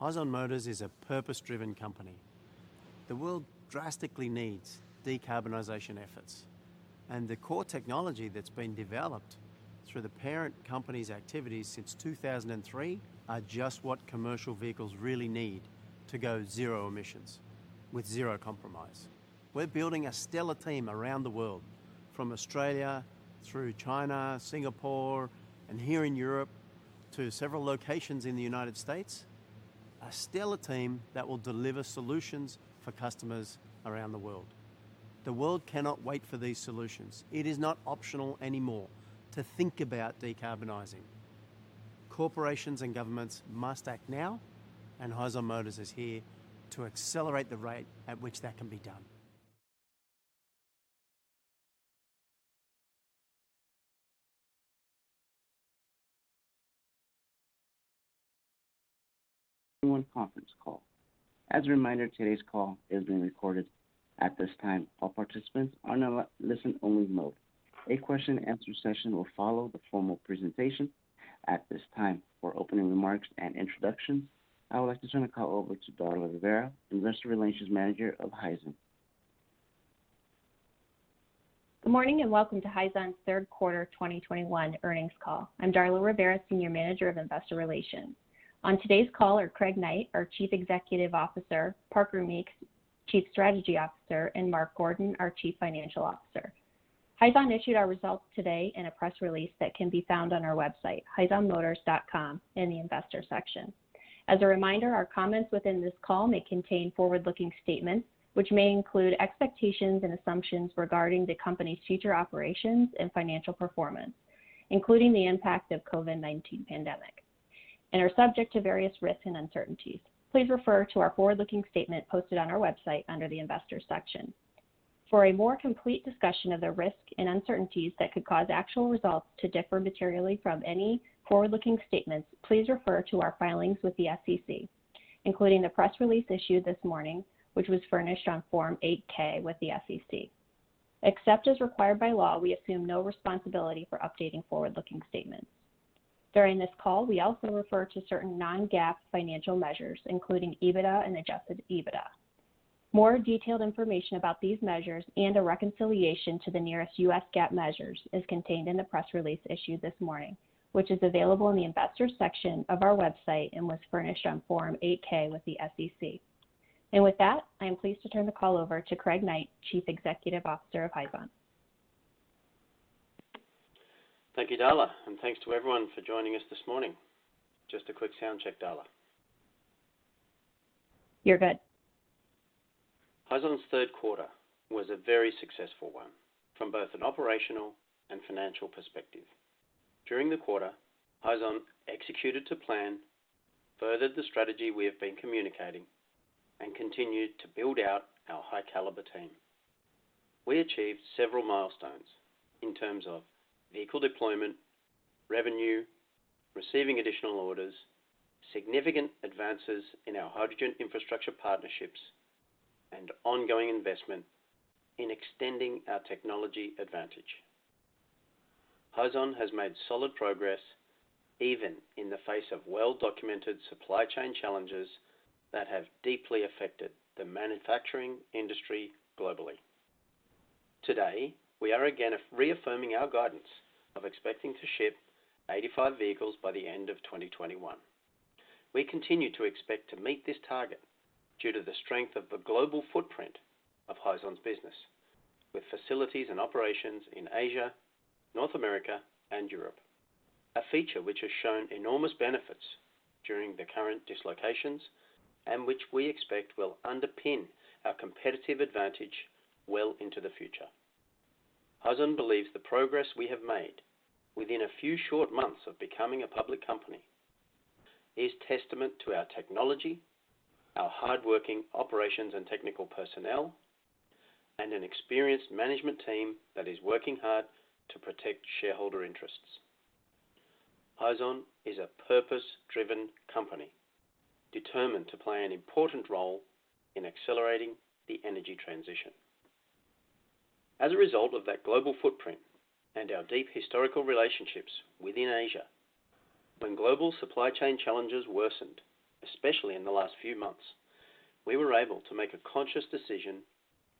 Hyzon Motors is a purpose-driven company. The world drastically needs decarbonization efforts, and the core technology that's been developed through the parent company's activities since 2003 are just what commercial vehicles really need to go zero emissions with zero compromise. We're building a stellar team around the world, from Australia through China, Singapore, and here in Europe, to several locations in the United States. A stellar team that will deliver solutions for customers around the world. The world cannot wait for these solutions. It is not optional anymore to think about decarbonizing. Corporations and governments must act now, and Hyzon Motors is here to accelerate the rate at which that can be done. Conference call. As a reminder, today's call is being recorded. At this time, all participants are in a listen only mode. A Q&A session will follow the formal presentation. At this time, for opening remarks and introductions, I would like to turn the call over to Darla Rivera, Investor Relations Manager of Hyzon. Good morning, and welcome to Hyzon's Third Quarter 2021 Earnings Call. I'm Darla Rivera, Senior Manager of Investor Relations. On today's call are Craig Knight, our Chief Executive Officer, Parker Meeks, Chief Strategy Officer, and Mark Gordon, our Chief Financial Officer. Hyzon issued our results today in a press release that can be found on our website, hyzonmotors.com, in the investor section. As a reminder, our comments within this call may contain forward-looking statements, which may include expectations and assumptions regarding the company's future operations and financial performance, including the impact of COVID-19 pandemic, and are subject to various risks and uncertainties. Please refer to our forward-looking statement posted on our website under the investors section. For a more complete discussion of the risk and uncertainties that could cause actual results to differ materially from any forward-looking statements, please refer to our filings with the SEC, including the press release issued this morning, which was furnished on Form 8-K with the SEC. Except as required by law, we assume no responsibility for updating forward-looking statements. During this call, we also refer to certain non-GAAP financial measures, including EBITDA and adjusted EBITDA. More detailed information about these measures and a reconciliation to the nearest U.S. GAAP measures is contained in the press release issued this morning, which is available in the investors section of our website and was furnished on Form 8-K with the SEC. With that, I am pleased to turn the call over to Craig Knight, Chief Executive Officer of Hyzon. Thank you, Darla, and thanks to everyone for joining us this morning. Just a quick sound check, Darla. You're good. Hyzon's third quarter was a very successful one from both an operational and financial perspective. During the quarter, Hyzon executed to plan, furthered the strategy we have been communicating, and continued to build out our high caliber team. We achieved several milestones in terms of vehicle deployment, revenue, receiving additional orders, significant advances in our hydrogen infrastructure partnerships, and ongoing investment in extending our technology advantage. Hyzon has made solid progress even in the face of well-documented supply chain challenges that have deeply affected the manufacturing industry globally. Today, we are again reaffirming our guidance of expecting to ship 85 vehicles by the end of 2021. We continue to expect to meet this target due to the strength of the global footprint of Hyzon's business with facilities and operations in Asia, North America, and Europe, a feature which has shown enormous benefits during the current dislocations and which we expect will underpin our competitive advantage well into the future. Hyzon believes the progress we have made within a few short months of becoming a public company is testament to our technology, our hardworking operations and technical personnel, and an experienced management team that is working hard to protect shareholder interests. Hyzon is a purpose-driven company determined to play an important role in accelerating the energy transition. As a result of that global footprint and our deep historical relationships within Asia, when global supply chain challenges worsened, especially in the last few months, we were able to make a conscious decision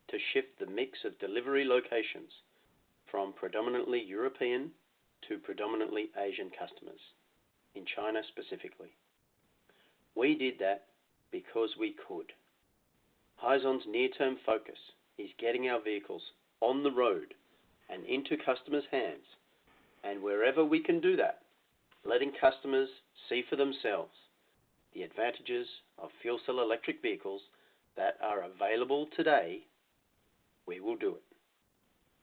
to shift the mix of delivery locations from predominantly European to predominantly Asian customers, in China specifically. We did that because we could. Hyzon's near-term focus is getting our vehicles on the road and into customers' hands, and wherever we can do that, letting customers see for themselves the advantages of fuel cell electric vehicles that are available today, we will do it,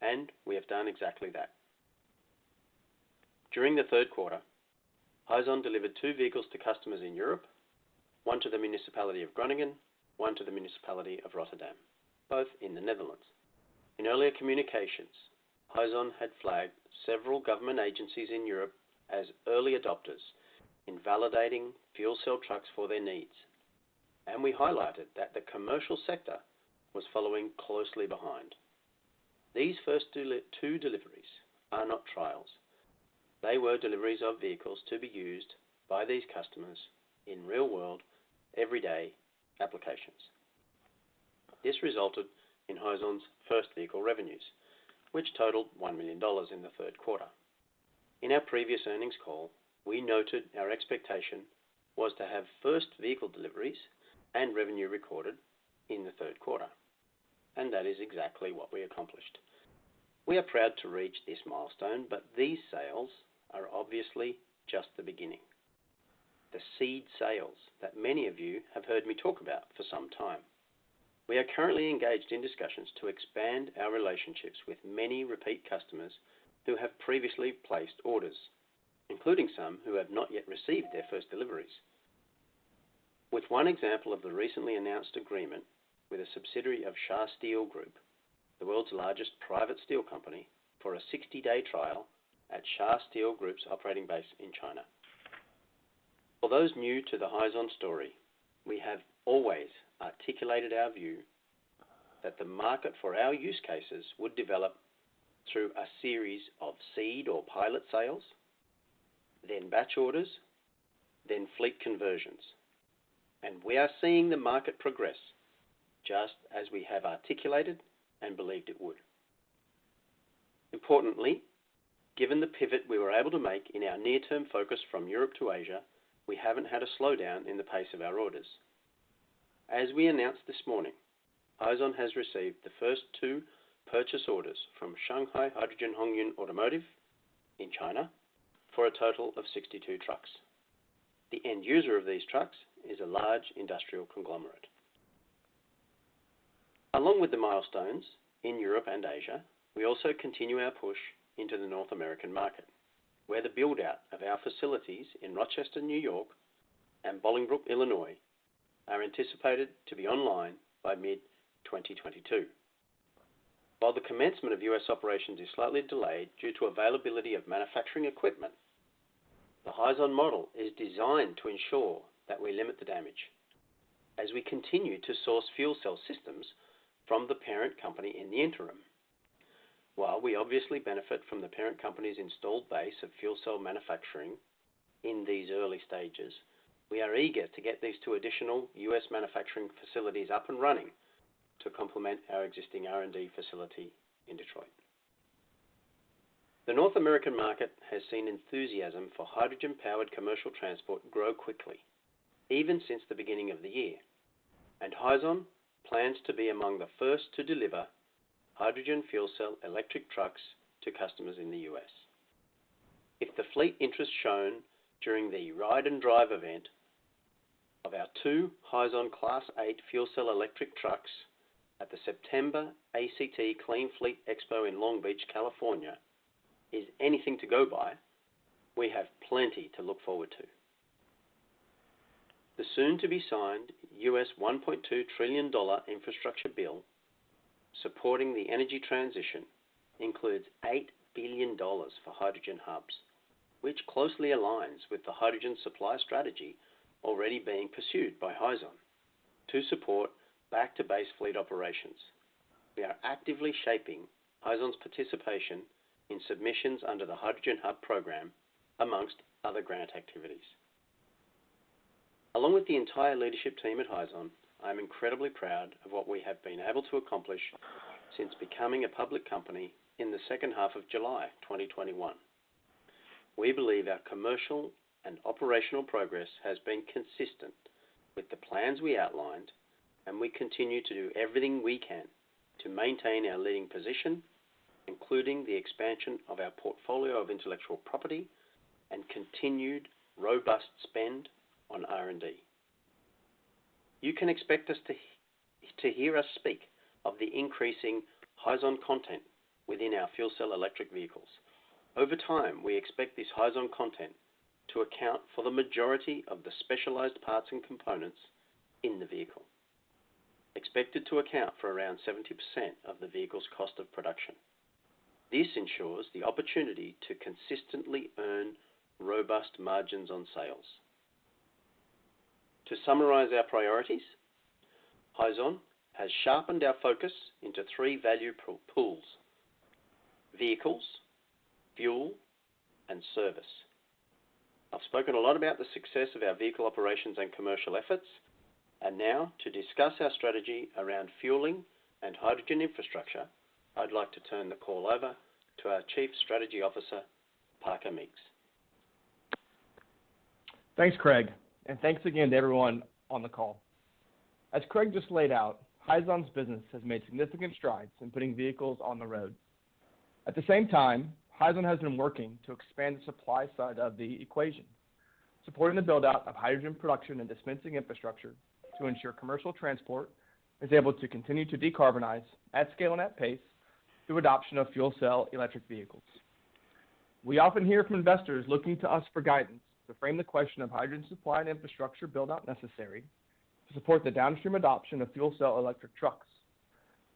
and we have done exactly that. During the third quarter, Hyzon delivered two vehicles to customers in Europe, one to the municipality of Groningen, one to the municipality of Rotterdam, both in the Netherlands. In earlier communications, Hyzon had flagged several government agencies in Europe as early adopters in validating fuel cell trucks for their needs, and we highlighted that the commercial sector was following closely behind. These first two deliveries are not trials. They were deliveries of vehicles to be used by these customers in real world, everyday applications. This resulted in Hyzon's first vehicle revenues, which totaled $1 million in the third quarter. In our previous earnings call, we noted our expectation was to have first vehicle deliveries and revenue recorded in the third quarter, and that is exactly what we accomplished. We are proud to reach this milestone, but these sales are obviously just the beginning. The seed sales that many of you have heard me talk about for some time. We are currently engaged in discussions to expand our relationships with many repeat customers who have previously placed orders, including some who have not yet received their first deliveries. With one example of the recently announced agreement with a subsidiary of Shasteel Group, the world's largest private steel company, for a 60-day trial at Shasteel Group's operating base in China. For those new to the Hyzon story, we have always articulated our view that the market for our use cases would develop through a series of seed or pilot sales, then batch orders, then fleet conversions, and we are seeing the market progress just as we have articulated and believed it would. Importantly, given the pivot we were able to make in our near-term focus from Europe to Asia, we haven't had a slowdown in the pace of our orders. As we announced this morning, Hyzon has received the first two purchase orders from Shanghai Hydrogen HongYun Automotive in China for a total of 62 trucks. The end user of these trucks is a large industrial conglomerate. Along with the milestones in Europe and Asia, we also continue our push into the North American market, where the build-out of our facilities in Rochester, New York and Bolingbrook, Illinois, are anticipated to be online by mid-2022. While the commencement of U.S. operations is slightly delayed due to availability of manufacturing equipment, the Hyzon model is designed to ensure that we limit the damage as we continue to source fuel cell systems from the parent company in the interim. While we obviously benefit from the parent company's installed base of fuel cell manufacturing in these early stages, we are eager to get these two additional U.S. manufacturing facilities up and running to complement our existing R&D facility in Detroit. The North American market has seen enthusiasm for hydrogen-powered commercial transport grow quickly, even since the beginning of the year. Hyzon plans to be among the first to deliver hydrogen fuel cell electric trucks to customers in the U.S. If the fleet interest shown during the Ride and Drive event of our two Hyzon Class 8 fuel cell electric trucks at the September ACT Clean Fleet Expo in Long Beach, California, is anything to go by, we have plenty to look forward to. The soon-to-be-signed U.S. $1.2 trillion infrastructure bill supporting the energy transition includes $8 billion for hydrogen hubs, which closely aligns with the hydrogen supply strategy already being pursued by Hyzon to support back-to-base fleet operations. We are actively shaping Hyzon's participation in submissions under the Hydrogen Hub program, among other grant activities. Along with the entire leadership team at Hyzon, I'm incredibly proud of what we have been able to accomplish since becoming a public company in the second half of July 2021. We believe our commercial and operational progress has been consistent with the plans we outlined, and we continue to do everything we can to maintain our leading position, including the expansion of our portfolio of intellectual property and continued robust spend on R&D. You can expect us to hear us speak of the increasing Hyzon content within our fuel cell electric vehicles. Over time, we expect this Hyzon content to account for the majority of the specialized parts and components in the vehicle, expected to account for around 70% of the vehicle's cost of production. This ensures the opportunity to consistently earn robust margins on sales. To summarize our priorities, Hyzon has sharpened our focus into three value pools: vehicles, fuel, and service. I've spoken a lot about the success of our vehicle operations and commercial efforts, and now to discuss our strategy around fueling and hydrogen infrastructure, I'd like to turn the call over to our Chief Strategy Officer, Parker Meeks. Thanks, Craig, and thanks again to everyone on the call. As Craig just laid out, Hyzon's business has made significant strides in putting vehicles on the road. At the same time, Hyzon has been working to expand the supply side of the equation, supporting the build-out of hydrogen production and dispensing infrastructure to ensure commercial transport is able to continue to decarbonize at scale and at pace through adoption of fuel cell electric vehicles. We often hear from investors looking to us for guidance to frame the question of hydrogen supply and infrastructure build-out necessary to support the downstream adoption of fuel cell electric trucks.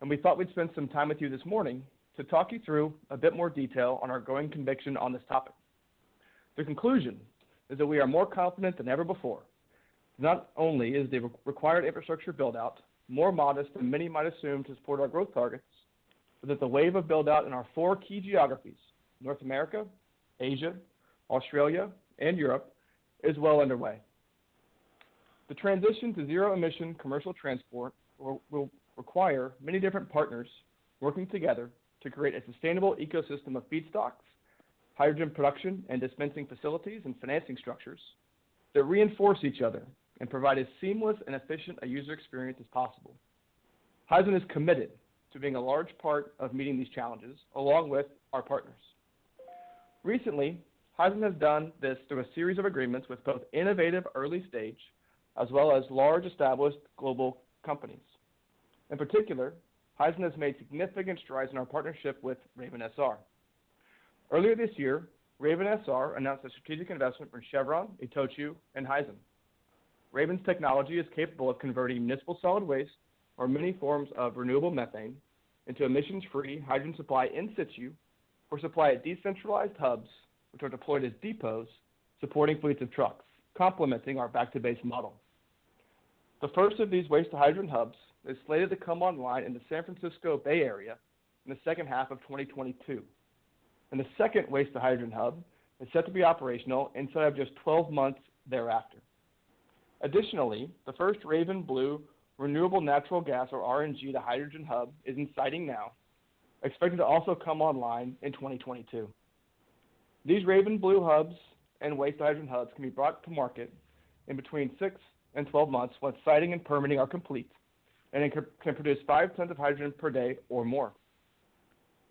We thought we'd spend some time with you this morning to talk you through a bit more detail on our growing conviction on this topic. The conclusion is that we are more confident than ever before. Not only is the required infrastructure build out more modest than many might assume to support our growth targets, but that the wave of build out in our four key geographies, North America, Asia, Australia, and Europe, is well underway. The transition to zero-emission commercial transport will require many different partners working together to create a sustainable ecosystem of feedstocks, hydrogen production, and dispensing facilities and financing structures that reinforce each other and provide as seamless and efficient a user experience as possible. Hyzon is committed to being a large part of meeting these challenges along with our partners. Recently, Hyzon has done this through a series of agreements with both innovative early-stage as well as large established global companies. In particular, Hyzon has made significant strides in our partnership with Raven SR. Earlier this year, Raven SR announced a strategic investment from Chevron, Itochu, and Hyzon. Raven SR's technology is capable of converting municipal solid waste or many forms of renewable methane into emissions-free hydrogen supply in situ or supply at decentralized hubs which are deployed as depots supporting fleets of trucks, complementing our back-to-base model. The first of these waste-to-hydrogen hubs is slated to come online in the San Francisco Bay Area in the second half of 2022, and the second waste-to-hydrogen hub is set to be operational inside of just 12 months thereafter. Additionally, the first Raven SR Blue renewable natural gas or RNG to hydrogen hub is in siting now, expected to also come online in 2022. These Raven SR Blue hubs and waste-to-hydrogen hubs can be brought to market in between six and 12 months once siting and permitting are complete, and it can produce 5 tons of hydrogen per day or more.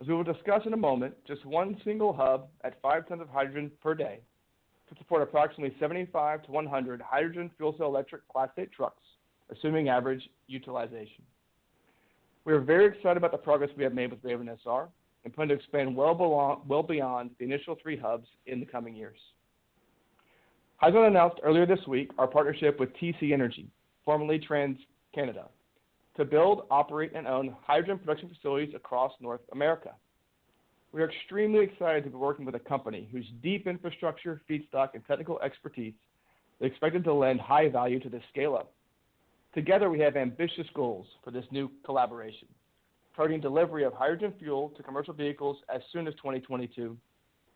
As we will discuss in a moment, just one single hub at 5 tons of hydrogen per day can support approximately 75-100 hydrogen fuel cell electric Class 8 trucks, assuming average utilization. We are very excited about the progress we have made with Raven SR and plan to expand well beyond the initial 3 hubs in the coming years. Hyzon announced earlier this week our partnership with TC Energy, formerly TransCanada, to build, operate, and own hydrogen production facilities across North America. We are extremely excited to be working with a company whose deep infrastructure, feedstock, and technical expertise is expected to lend high value to the scale-up. Together, we have ambitious goals for this new collaboration, targeting delivery of hydrogen fuel to commercial vehicles as soon as 2022,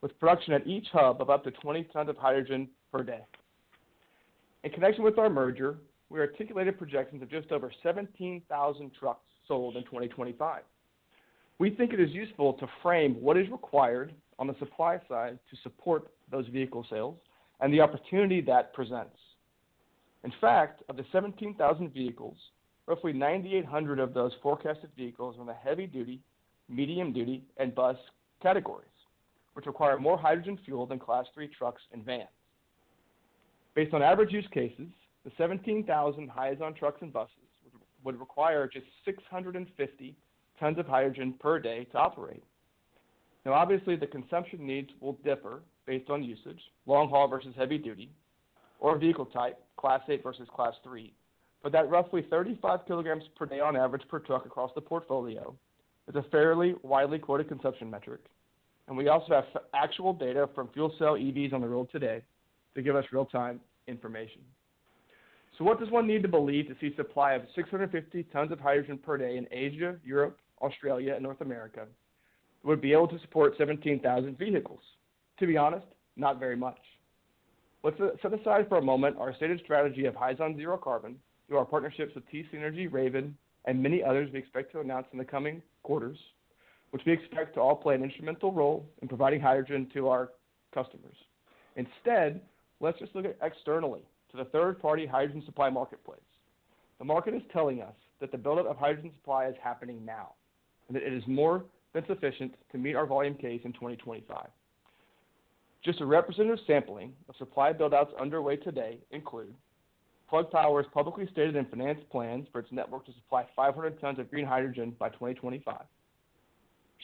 with production at each hub of up to 20 tons of hydrogen per day. In connection with our merger, we articulated projections of just over 17,000 trucks sold in 2025. We think it is useful to frame what is required on the supply side to support those vehicle sales and the opportunity that presents. In fact, of the 17,000 vehicles, roughly 9,800 of those forecasted vehicles are in the heavy duty, medium duty, and bus categories, which require more hydrogen fuel than Class 3 trucks and vans. Based on average use cases, the 17,000 Hyzon trucks and buses would require just 650 tons of hydrogen per day to operate. Now obviously the consumption needs will differ based on usage, long haul versus heavy duty or vehicle type, Class 8 versus Class 3. That roughly 35 kilograms per day on average per truck across the portfolio is a fairly widely quoted consumption metric, and we also have actual data from fuel cell EVs on the road today to give us real-time information. What does one need to believe to see supply of 650 tons of hydrogen per day in Asia, Europe, Australia, and North America would be able to support 17,000 vehicles? To be honest, not very much. Let's set aside for a moment our stated strategy of Hyzon zero carbon through our partnerships with TC Energy, Raven, and many others we expect to announce in the coming quarters, which we expect to all play an instrumental role in providing hydrogen to our customers. Instead, let's just look externally to the third-party hydrogen supply marketplace. The market is telling us that the build out of hydrogen supply is happening now, and that it is more than sufficient to meet our volume case in 2025. Just a representative sampling of supply build outs underway today include Plug Power's publicly stated and financed plans for its network to supply 500 tons of green hydrogen by 2025.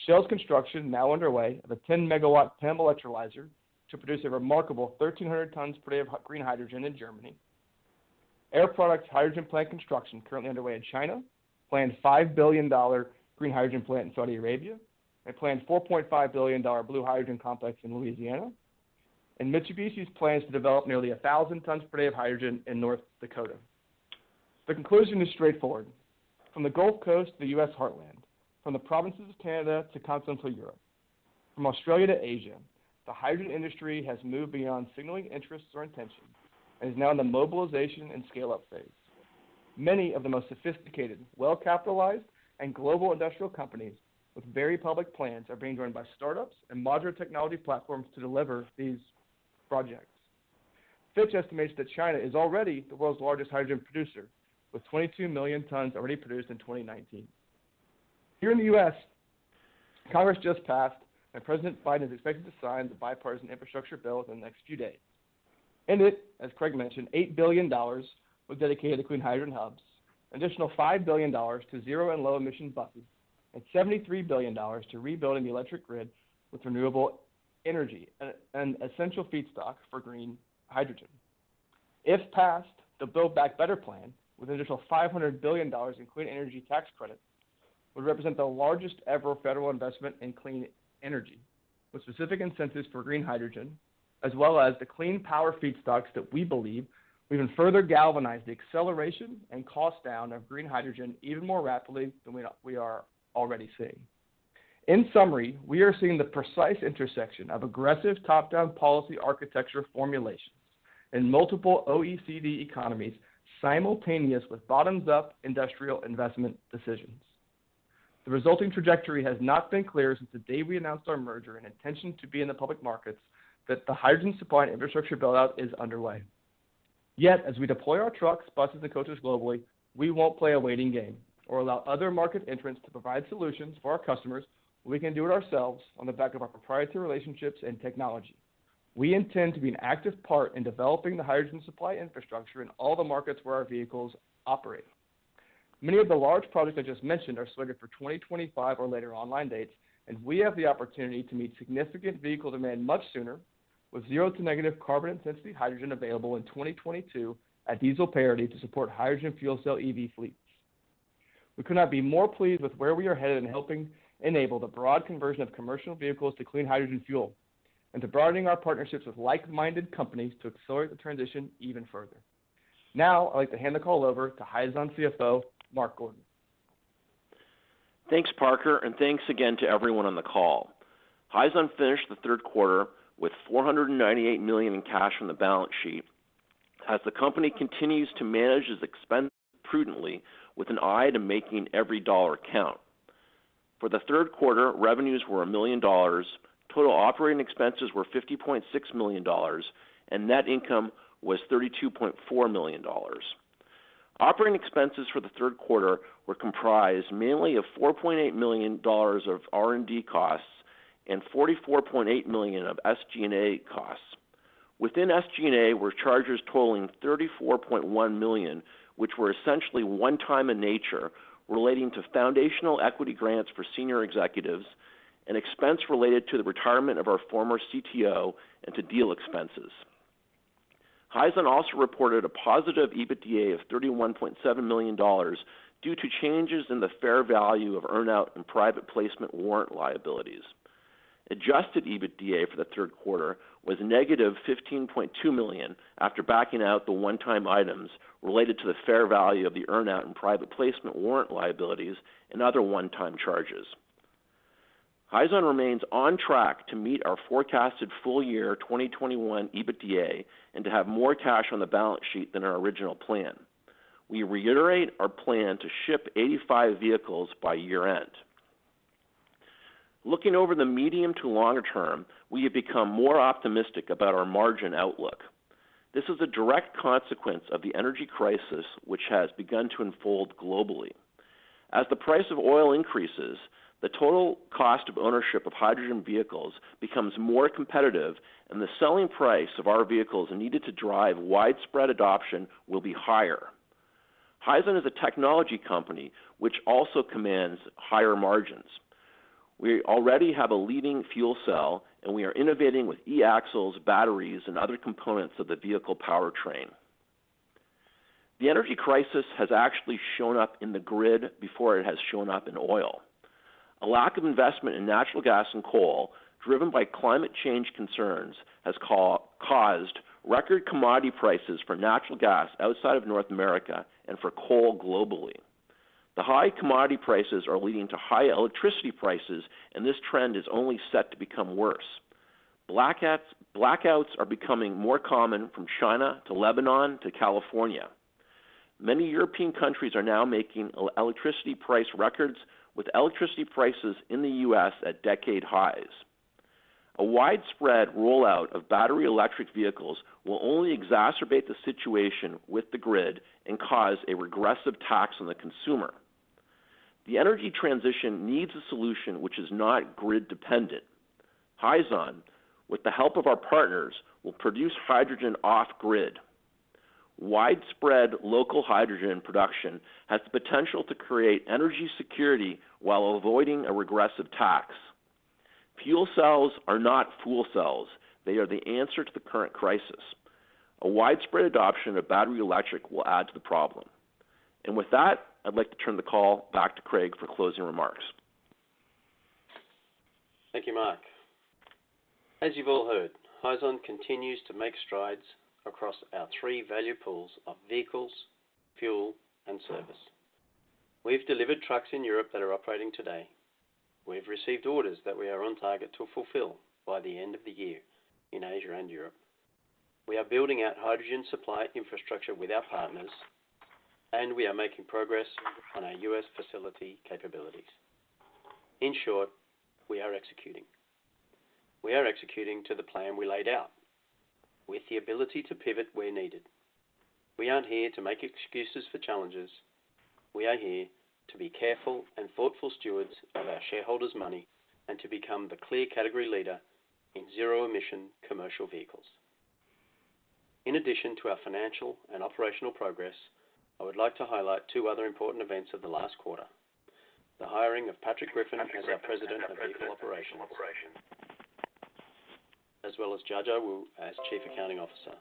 Shell's construction now underway of a 10MW PEM electrolyzer to produce a remarkable 1,300 tons per day of green hydrogen in Germany. Air Products hydrogen plant construction currently underway in China, planned $5 billion green hydrogen plant in Saudi Arabia, a planned $4.5 billion blue hydrogen complex in Louisiana, and Mitsubishi's plans to develop nearly 1,000 tons per day of hydrogen in North Dakota. The conclusion is straightforward. From the Gulf Coast to the U.S. Heartland, from the provinces of Canada to continental Europe, from Australia to Asia, the hydrogen industry has moved beyond signaling interests or intentions and is now in the mobilization and scale-up phase. Many of the most sophisticated, well-capitalized, and global industrial companies with very public plans are being joined by startups and modular technology platforms to deliver these projects. Fitch estimates that China is already the world's largest hydrogen producer, with 22 million tons already produced in 2019. Here in the U.S., Congress just passed, and President Biden is expected to sign the bipartisan infrastructure bill within the next few days. In it, as Craig mentioned, $8 billion was dedicated to clean hydrogen hubs, additional $5 billion to zero and low emission buses, and $73 billion to rebuilding the electric grid with renewable energy, an essential feedstock for green hydrogen. If passed, the Build Back Better Act, with an additional $500 billion in clean energy tax credit, would represent the largest ever federal investment in clean energy, with specific incentives for green hydrogen, as well as the clean power feedstocks that we believe will even further galvanize the acceleration and cost down of green hydrogen even more rapidly than we are already seeing. In summary, we are seeing the precise intersection of aggressive top-down policy architecture formulations in multiple OECD economies simultaneous with bottoms-up industrial investment decisions. The resulting trajectory has not been clear since the day we announced our merger and intention to be in the public markets, that the hydrogen supply and infrastructure build-out is underway. Yet, as we deploy our trucks, buses, and coaches globally, we won't play a waiting game or allow other market entrants to provide solutions for our customers. We can do it ourselves on the back of our proprietary relationships and technology. We intend to be an active part in developing the hydrogen supply infrastructure in all the markets where our vehicles operate. Many of the large projects I just mentioned are slated for 2025 or later online dates, and we have the opportunity to meet significant vehicle demand much sooner with zero to negative carbon intensity hydrogen available in 2022 at diesel parity to support hydrogen fuel cell EV fleets. We could not be more pleased with where we are headed in helping enable the broad conversion of commercial vehicles to clean hydrogen fuel and to broadening our partnerships with like-minded companies to accelerate the transition even further. Now, I'd like to hand the call over to Hyzon CFO, Mark Gordon. Thanks, Parker, and thanks again to everyone on the call. Hyzon finished the third quarter with $498 million in cash on the balance sheet as the company continues to manage its expenses prudently with an eye to making every dollar count. For the third quarter, revenues were $1 million, total operating expenses were $50.6 million, and net income was $32.4 million. Operating expenses for the third quarter were comprised mainly of $4.8 million of R&D costs and $44.8 million of SG&A costs. Within SG&A were charges totaling $34.1 million, which were essentially one-time in nature, relating to foundational equity grants for senior executives and expense related to the retirement of our former CTO and to deal expenses. Hyzon also reported a positive EBITDA of $31.7 million due to changes in the fair value of earn-out and private placement warrant liabilities. Adjusted EBITDA for the third quarter was negative $15.2 million after backing out the one-time items related to the fair value of the earn-out and private placement warrant liabilities and other one-time charges. Hyzon remains on track to meet our forecasted full year 2021 EBITDA and to have more cash on the balance sheet than our original plan. We reiterate our plan to ship 85 vehicles by year-end. Looking over the medium to longer term, we have become more optimistic about our margin outlook. This is a direct consequence of the energy crisis, which has begun to unfold globally. As the price of oil increases, the total cost of ownership of hydrogen vehicles becomes more competitive, and the selling price of our vehicles needed to drive widespread adoption will be higher. Hyzon is a technology company which also commands higher margins. We already have a leading fuel cell, and we are innovating with e-axles, batteries, and other components of the vehicle powertrain. The energy crisis has actually shown up in the grid before it has shown up in oil. A lack of investment in natural gas and coal, driven by climate change concerns, has caused record commodity prices for natural gas outside of North America and for coal globally. The high commodity prices are leading to high electricity prices, and this trend is only set to become worse. Blackouts are becoming more common from China to Lebanon to California. Many European countries are now making electricity price records with electricity prices in the U.S. at decade highs. A widespread rollout of battery electric vehicles will only exacerbate the situation with the grid and cause a regressive tax on the consumer. The energy transition needs a solution which is not grid dependent. Hyzon, with the help of our partners, will produce hydrogen off grid. Widespread local hydrogen production has the potential to create energy security while avoiding a regressive tax. Fuel cells are not fool cells- they are the answer to the current crisis. A widespread adoption of battery electric will add to the problem. With that, I'd like to turn the call back to Craig for closing remarks. Thank you, Mark. As you've all heard, Hyzon continues to make strides across our three value pools of vehicles, fuel, and service. We've delivered trucks in Europe that are operating today. We've received orders that we are on target to fulfill by the end of the year in Asia and Europe. We are building out hydrogen supply infrastructure with our partners, and we are making progress on our U.S. facility capabilities. In short, we are executing. We are executing to the plan we laid out with the ability to pivot where needed. We aren't here to make excuses for challenges. We are here to be careful and thoughtful stewards of our shareholders' money and to become the clear category leader in zero-emission commercial vehicles. In addition to our financial and operational progress, I would like to highlight two other important events of the last quarter. The hiring of Patrick Griffin as our President of Vehicle Operations, as well as Jiajia Wu as Chief Accounting Officer.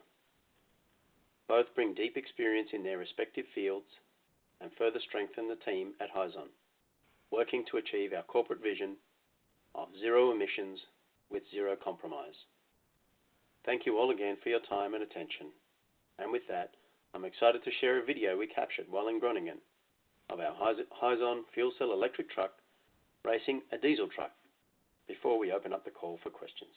Both bring deep experience in their respective fields and further strengthen the team at Hyzon, working to achieve our corporate vision of zero emissions with zero compromise. Thank you all again for your time and attention. With that, I'm excited to share a video we captured while in Groningen of our Hyzon fuel cell electric truck racing a diesel truck, before we open up the call for questions.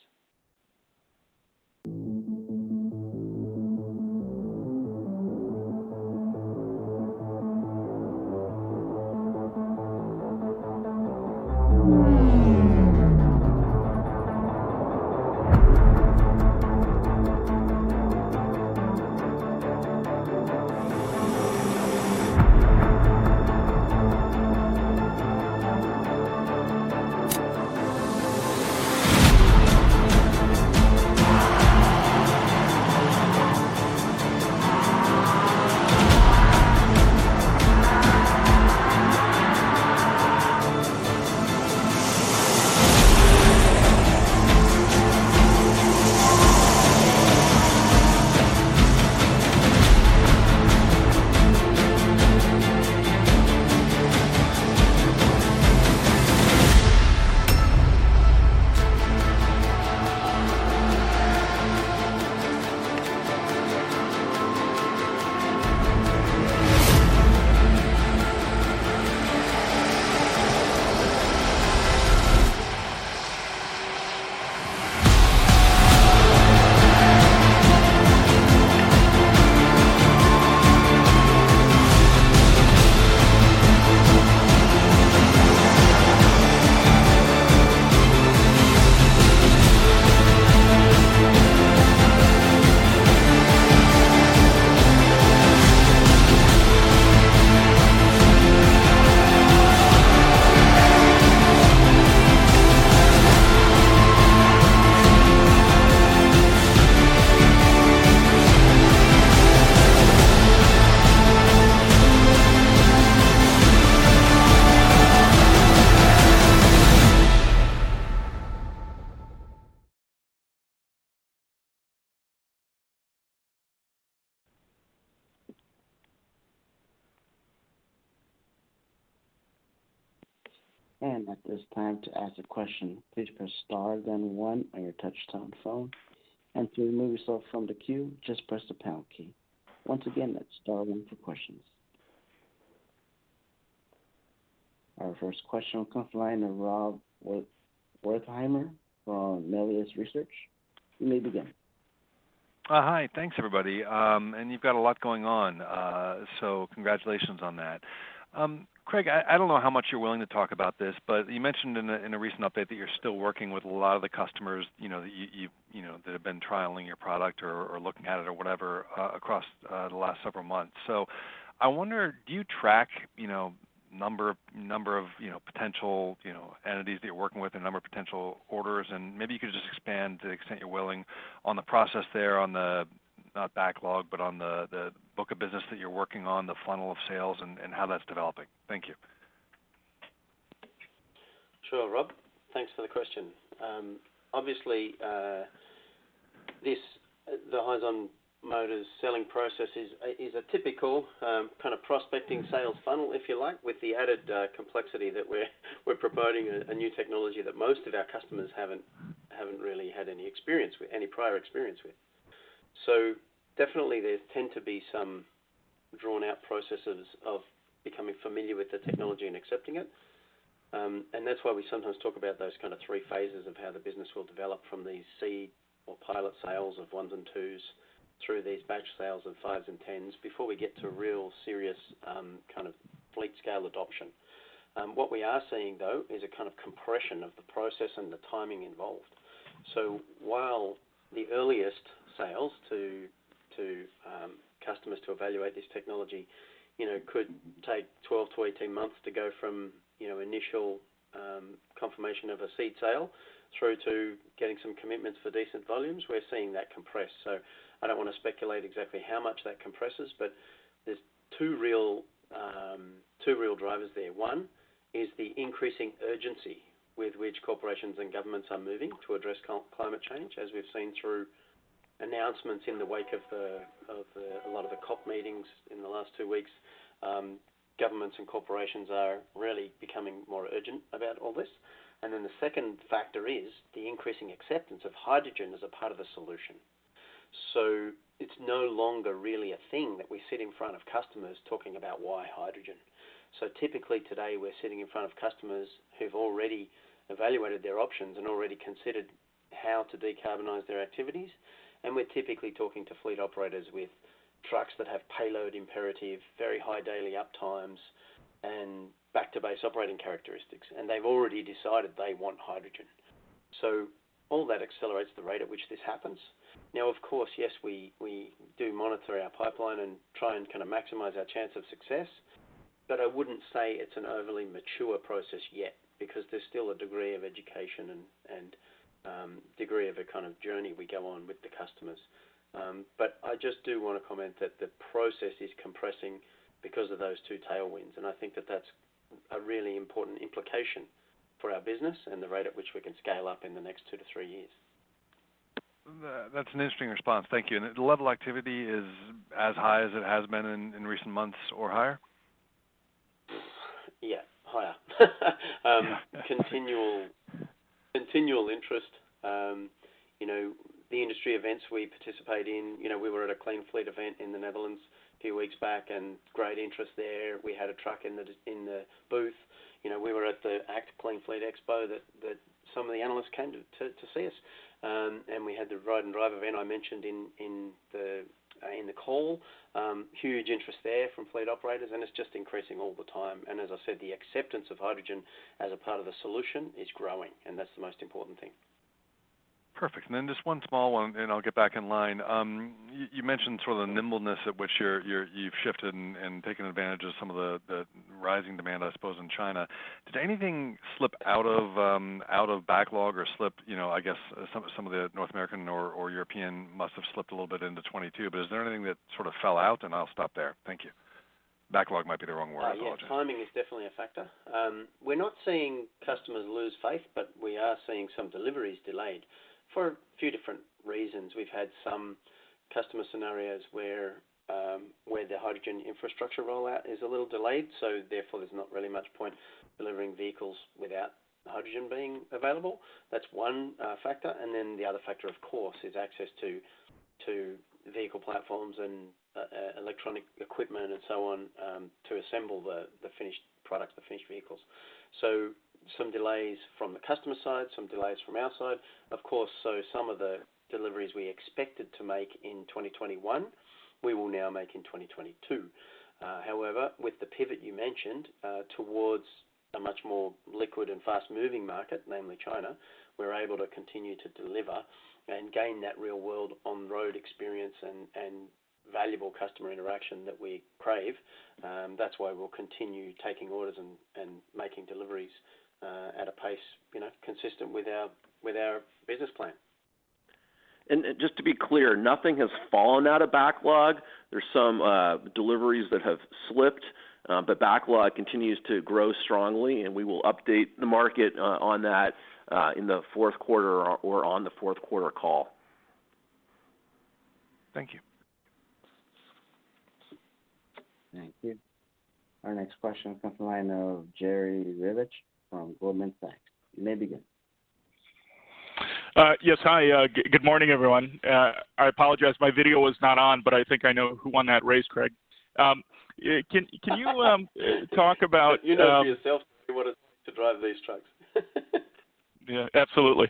Our first question will come from the line of Rob Wertheimer from Melius Research. You may begin. Hi. Thanks, everybody. You've got a lot going on, so congratulations on that. Craig, I don't know how much you're willing to talk about this, but you mentioned in a recent update that you're still working with a lot of the customers, you know, that have been trialing your product or looking at it or whatever, across the last several months. I wonder, do you track, you know, number of potential entities that you're working with and number of potential orders? Maybe you could just expand to the extent you're willing on the process there on the, not backlog, but on the book of business that you're working on, the funnel of sales and how that's developing. Thank you. Sure, Rob. Thanks for the question. Obviously, the Hyzon Motors' selling process is a typical kind of prospecting sales funnel, if you like, with the added complexity that we're promoting a new technology that most of our customers haven't really had any prior experience with. Definitely there tend to be some drawn out processes of becoming familiar with the technology and accepting it. That's why we sometimes talk about those kind of three phases of how the business will develop from these seed or pilot sales of ones and twos through these batch sales of fives and 10s before we get to real serious kind of fleet scale adoption. What we are seeing though is a kind of compression of the process and the timing involved. While the earliest sales to customers to evaluate this technology, you know, could take 12-18 months to go from, you know, initial confirmation of a seed sale through to getting some commitments for decent volumes, we're seeing that compress. I don't wanna speculate exactly how much that compresses, but there's two real drivers there. One is the increasing urgency with which corporations and governments are moving to address climate change, as we've seen through announcements in the wake of a lot of the COP meetings in the last two weeks. Governments and corporations are really becoming more urgent about all this. Then the second factor is the increasing acceptance of hydrogen as a part of a solution. It's no longer really a thing that we sit in front of customers talking about why hydrogen. Typically today, we're sitting in front of customers who've already evaluated their options and already considered how to decarbonize their activities. We're typically talking to fleet operators with trucks that have payload imperative, very high daily uptimes, and back to base operating characteristics, and they've already decided they want hydrogen. All that accelerates the rate at which this happens. Now, of course, yes, we do monitor our pipeline and try and kinda maximize our chance of success. I wouldn't say it's an overly mature process yet because there's still a degree of education and degree of a kind of journey we go on with the customers. I just do wanna comment that the process is compressing because of those two tailwinds, and I think that that's a really important implication for our business and the rate at which we can scale up in the next two-three years. That's an interesting response. Thank you. The level of activity is as high as it has been in recent months or higher? Yeah, higher. Continual interest. You know, the industry events we participate in- you know, we were at a clean fleet event in the Netherlands a few weeks back, and great interest there. We had a truck in the booth. You know, we were at the ACT Clean Fleet Expo that some of the analysts came to see us. We had the ride and drive event I mentioned in the call. Huge interest there from fleet operators, and it's just increasing all the time. As I said, the acceptance of hydrogen as a part of the solution is growing, and that's the most important thing. Perfect. Just one small one, and then I'll get back in line. You mentioned sort of the nimbleness at which you've shifted and taken advantage of some of the rising demand, I suppose, in China. Did anything slip out of backlog or slip, you know, I guess some of the North American or European must have slipped a little bit into 2022, but is there anything that sort of fell out? I'll stop there. Thank you. Backlog might be the wrong word. I apologize. Yeah. Timing is definitely a factor. We're not seeing customers lose faith, but we are seeing some deliveries delayed for a few different reasons. We've had some customer scenarios where the hydrogen infrastructure rollout is a little delayed, so therefore there's not really much point delivering vehicles without the hydrogen being available. That's one factor. Then the other factor, of course, is access to vehicle platforms and electronic equipment and so on to assemble the finished product, the finished vehicles. Some delays from the customer side, some delays from our side, of course. Some of the deliveries we expected to make in 2021, we will now make in 2022. However, with the pivot you mentioned, towards a much more liquid and fast-moving market, namely China, we're able to continue to deliver and gain that real-world on-road experience and valuable customer interaction that we crave. That's why we'll continue taking orders and making deliveries at a pace, you know, consistent with our business plan. Just to be clear, nothing has fallen out of backlog. There's some deliveries that have slipped, but backlog continues to grow strongly, and we will update the market on that in the fourth quarter or on the fourth quarter call. Thank you. Thank you. Our next question comes from the line of Jerry Revich from Goldman Sachs. You may begin. Yes. Hi, good morning, everyone. I apologize, my video was not on, but I think I know who won that race, Craig. Can you talk about- You know for yourself- if you were to drive these trucks. Yeah, absolutely.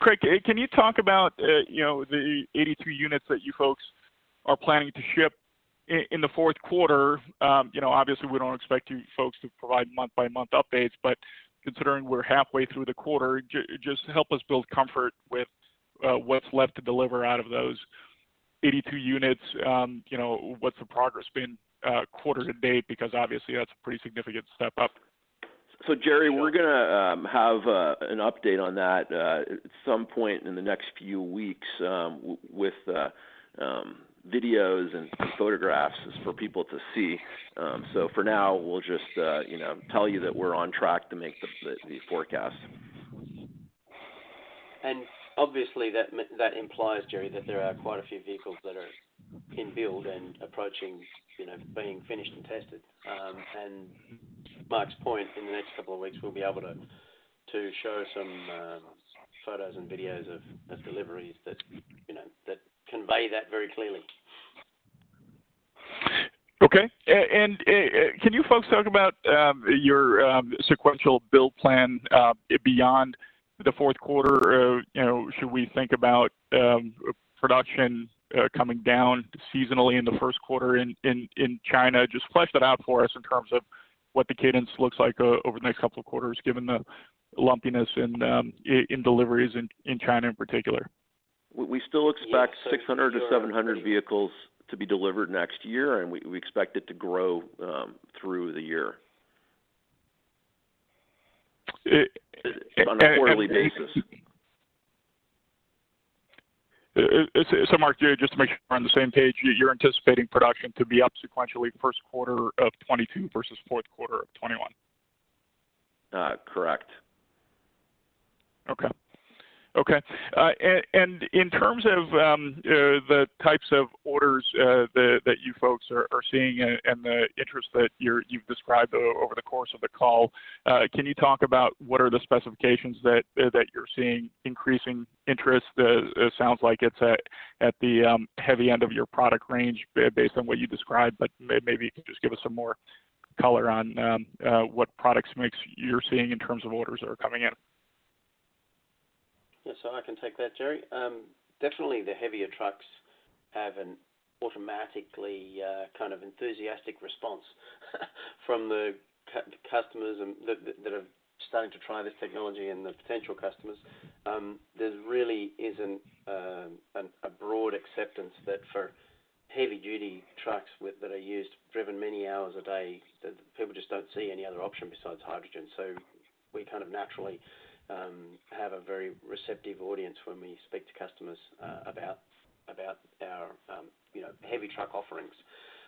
Craig, can you talk about, you know, the 82 units that you folks are planning to ship in the fourth quarter? You know, obviously, we don't expect you folks to provide month-by-month updates, but considering we're halfway through the quarter, just help us build comfort with what's left to deliver out of those 82 units. You know, what's the progress been quarter-to-date? Because obviously, that's a pretty significant step up. Jerry, we're gonna have an update on that at some point in the next few weeks with videos and photographs for people to see. For now, we'll just you know tell you that we're on track to make the forecast. Obviously, that implies, Jerry, that there are quite a few vehicles that are in build and approaching, you know, being finished and tested. Mark's point, in the next couple of weeks, we'll be able to show some photos and videos of deliveries that, you know, that convey that very clearly. Okay. Can you folks talk about your sequential build plan beyond the fourth quarter? You know, should we think about production coming down seasonally in the first quarter in China? Just flesh that out for us in terms of what the cadence looks like over the next couple of quarters, given the lumpiness in deliveries in China in particular. We still expect 600-700 vehicles to be delivered next year, and we expect it to grow through the year. It- On a quarterly basis. So Mark, just to make sure we're on the same page, you're anticipating production to be up sequentially first quarter of 2022 versus fourth quarter of 2021? Correct. In terms of the types of orders that you folks are seeing and the interest that you've described over the course of the call, can you talk about what are the specifications that you're seeing increasing interest? It sounds like it's at the heavy end of your product range based on what you described, but maybe you can just give us some more color on what product mix you're seeing in terms of orders that are coming in. Yes. I can take that, Jerry. Definitely the heavier trucks have an automatic kind of enthusiastic response from the customers and that are starting to try this technology and the potential customers. There really isn't a broad acceptance that for heavy-duty trucks that are used, driven many hours a day, that people just don't see any other option besides hydrogen. We kind of naturally have a very receptive audience when we speak to customers about our you know heavy truck offerings.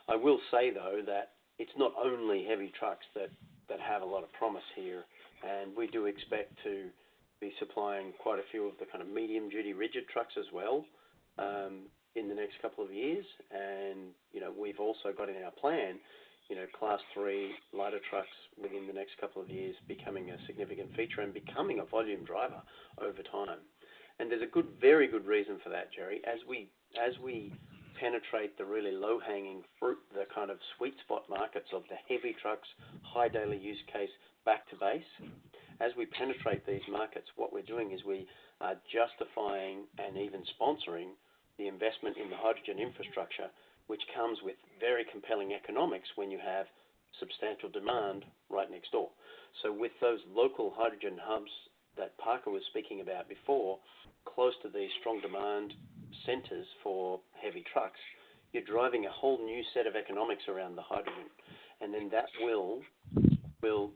I will say though that it's not only heavy trucks that have a lot of promise here, and we do expect to be supplying quite a few of the kind of medium-duty rigid trucks as well in the next couple of years. You know, we've also got in our plan, you know, Class 3 lighter trucks within the next couple of years becoming a significant feature and becoming a volume driver over time. There's a good, very good reason for that, Jerry. As we penetrate the really low hanging fruit, the kind of sweet spot markets of the heavy trucks, high daily use case back to base, as we penetrate these markets, what we're doing is we are justifying and even sponsoring the investment in the hydrogen infrastructure, which comes with very compelling economics when you have substantial demand right next door. With those local Hydrogen Hubs that Parker was speaking about before, close to these strong demand centers for heavy trucks, you're driving a whole new set of economics around the hydrogen. That will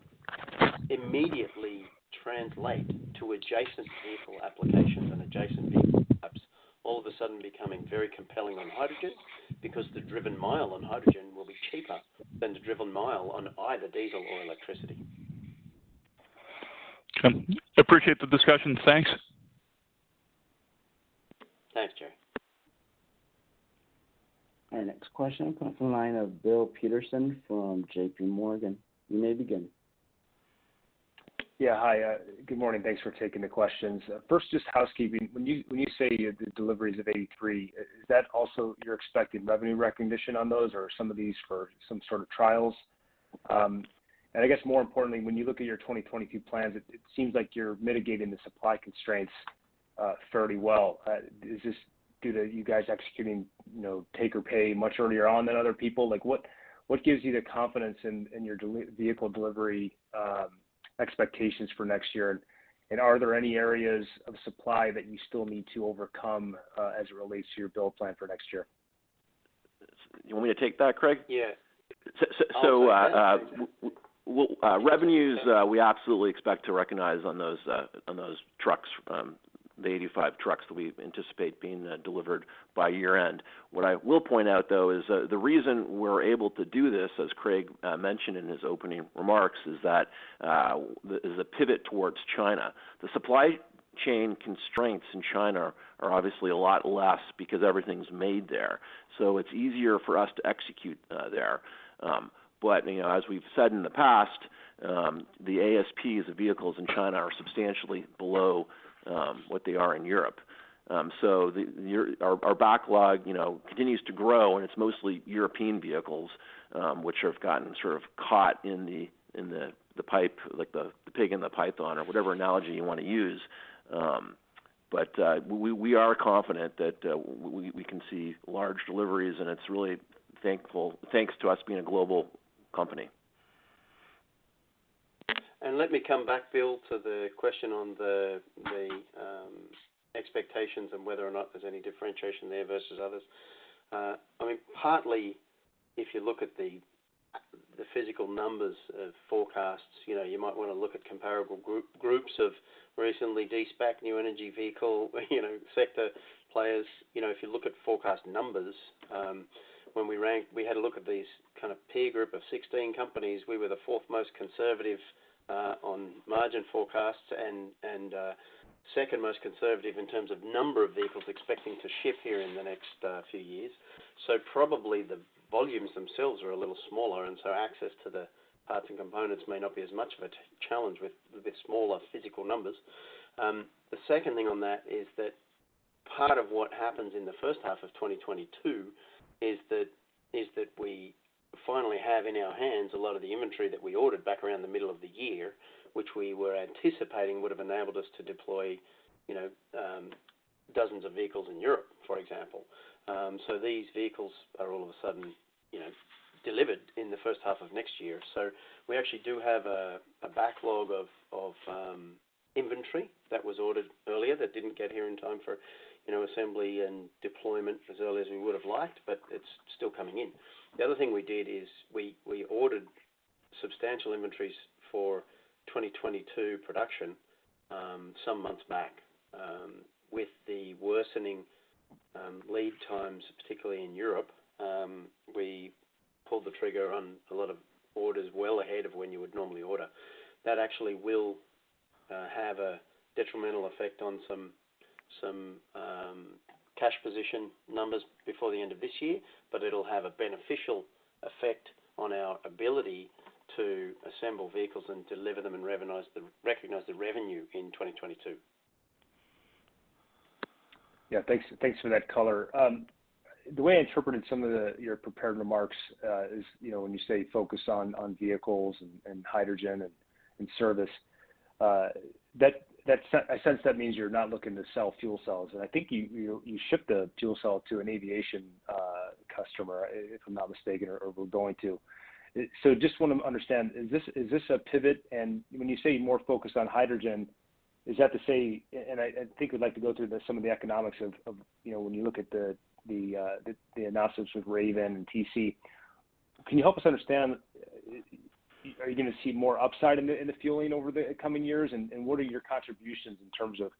immediately translate to adjacent vehicle applications and adjacent vehicle hubs all of a sudden becoming very compelling on hydrogen because the driven mile on hydrogen will be cheaper than the driven mile on either diesel or electricity. Appreciate the discussion. Thanks. Thanks, Jerry. Our next question comes from the line of Bill Peterson from JPMorgan. You may begin. Yeah. Hi, good morning. Thanks for taking the questions. First, just housekeeping. When you say the deliveries of 83, is that also your expected revenue recognition on those, or are some of these for some sort of trials? And I guess more importantly, when you look at your 2022 plans, it seems like you're mitigating the supply constraints fairly well. Is this due to you guys executing, you know, take or pay much earlier on than other people? Like, what gives you the confidence in your vehicle delivery expectations for next year? And are there any areas of supply that you still need to overcome as it relates to your build plan for next year? You want me to take that, Craig? Yes. So, so, uh- revenues, we absolutely expect to recognize revenues on those trucks, the 85 trucks that we anticipate being delivered by year-end. What I will point out, though, is the reason we're able to do this, as Craig mentioned in his opening remarks, is that there's a pivot towards China. The supply chain constraints in China are obviously a lot less because everything's made there, so it's easier for us to execute there. You know, as we've said in the past, the ASPs of vehicles in China are substantially below what they are in Europe. Our backlog, you know, continues to grow, and it's mostly European vehicles, which have gotten sort of caught in the pipe, like the pig in the python or whatever analogy you wanna use. We are confident that we can see large deliveries, and it's really thanks to us being a global company. Let me come back, Bill, to the question on the expectations and whether or not there's any differentiation there versus others. I mean, partly, if you look at the physical numbers of forecasts, you know, you might wanna look at comparable groups of recently de-SPAC new energy vehicle, you know, sector players. You know, if you look at forecast numbers, when we ranked, we had a look at these kind of peer group of 16 companies. We were the fourth most conservative on margin forecasts and second most conservative in terms of number of vehicles expecting to ship here in the next few years. Probably the volumes themselves are a little smaller, and so access to the parts and components may not be as much of a challenge with the smaller physical numbers. The second thing on that is that part of what happens in the first half of 2022 is that we finally have in our hands a lot of the inventory that we ordered back around the middle of the year, which we were anticipating would have enabled us to deploy, you know, dozens of vehicles in Europe, for example. These vehicles are all of a sudden, you know, delivered in the first half of next year. We actually do have a backlog of inventory that was ordered earlier that didn't get here in time for, you know, assembly and deployment as early as we would have liked, but it's still coming in. The other thing we did is we ordered substantial inventories for 2022 production some months back. With the worsening lead times, particularly in Europe, we pulled the trigger on a lot of orders well ahead of when you would normally order. That actually will have a detrimental effect on some cash position numbers before the end of this year, but it'll have a beneficial effect on our ability to assemble vehicles and deliver them and recognize the revenue in 2022. Yeah. Thanks for that color. The way I interpreted some of your prepared remarks is, you know, when you say focus on vehicles and hydrogen and service, I sense that means you're not looking to sell fuel cells. I think you shipped a fuel cell to an aviation customer, if I'm not mistaken, or going to- just wanna understand, is this a pivot? When you say more focused on hydrogen, is that to say I think we'd like to go through some of the economics of, you know, when you look at the announcements with Raven and TC. Can you help us understand, are you gonna see more upside in the fueling over the coming years, and what are your contributions in terms of,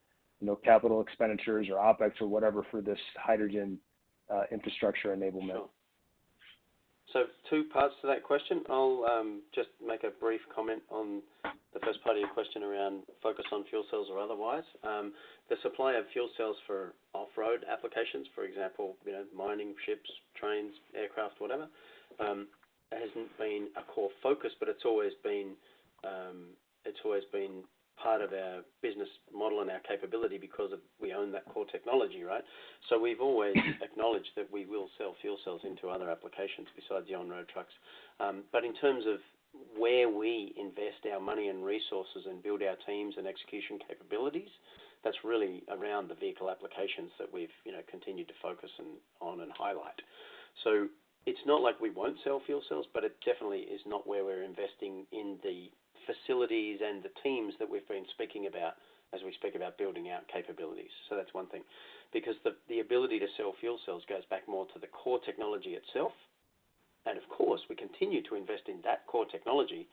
you know, capital expenditures or OpEx or whatever for this hydrogen infrastructure enablement? Sure. Two parts to that question. I'll just make a brief comment on the first part of your question around focus on fuel cells or otherwise. The supply of fuel cells for off-road applications, for example, you know, mining ships, trains, aircraft, whatever, hasn't been a core focus, but it's always been part of our business model and our capability because we own that core technology, right? We've always acknowledged that we will sell fuel cells into other applications besides the on-road trucks. But in terms of where we invest our money and resources and build our teams and execution capabilities, that's really around the vehicle applications that we've, you know, continued to focus on and highlight. It's not like we won't sell fuel cells, but it definitely is not where we're investing in the facilities and the teams that we've been speaking about as we speak about building out capabilities. That's one thing. Because the ability to sell fuel cells goes back more to the core technology itself, and of course, we continue to invest in that core technology,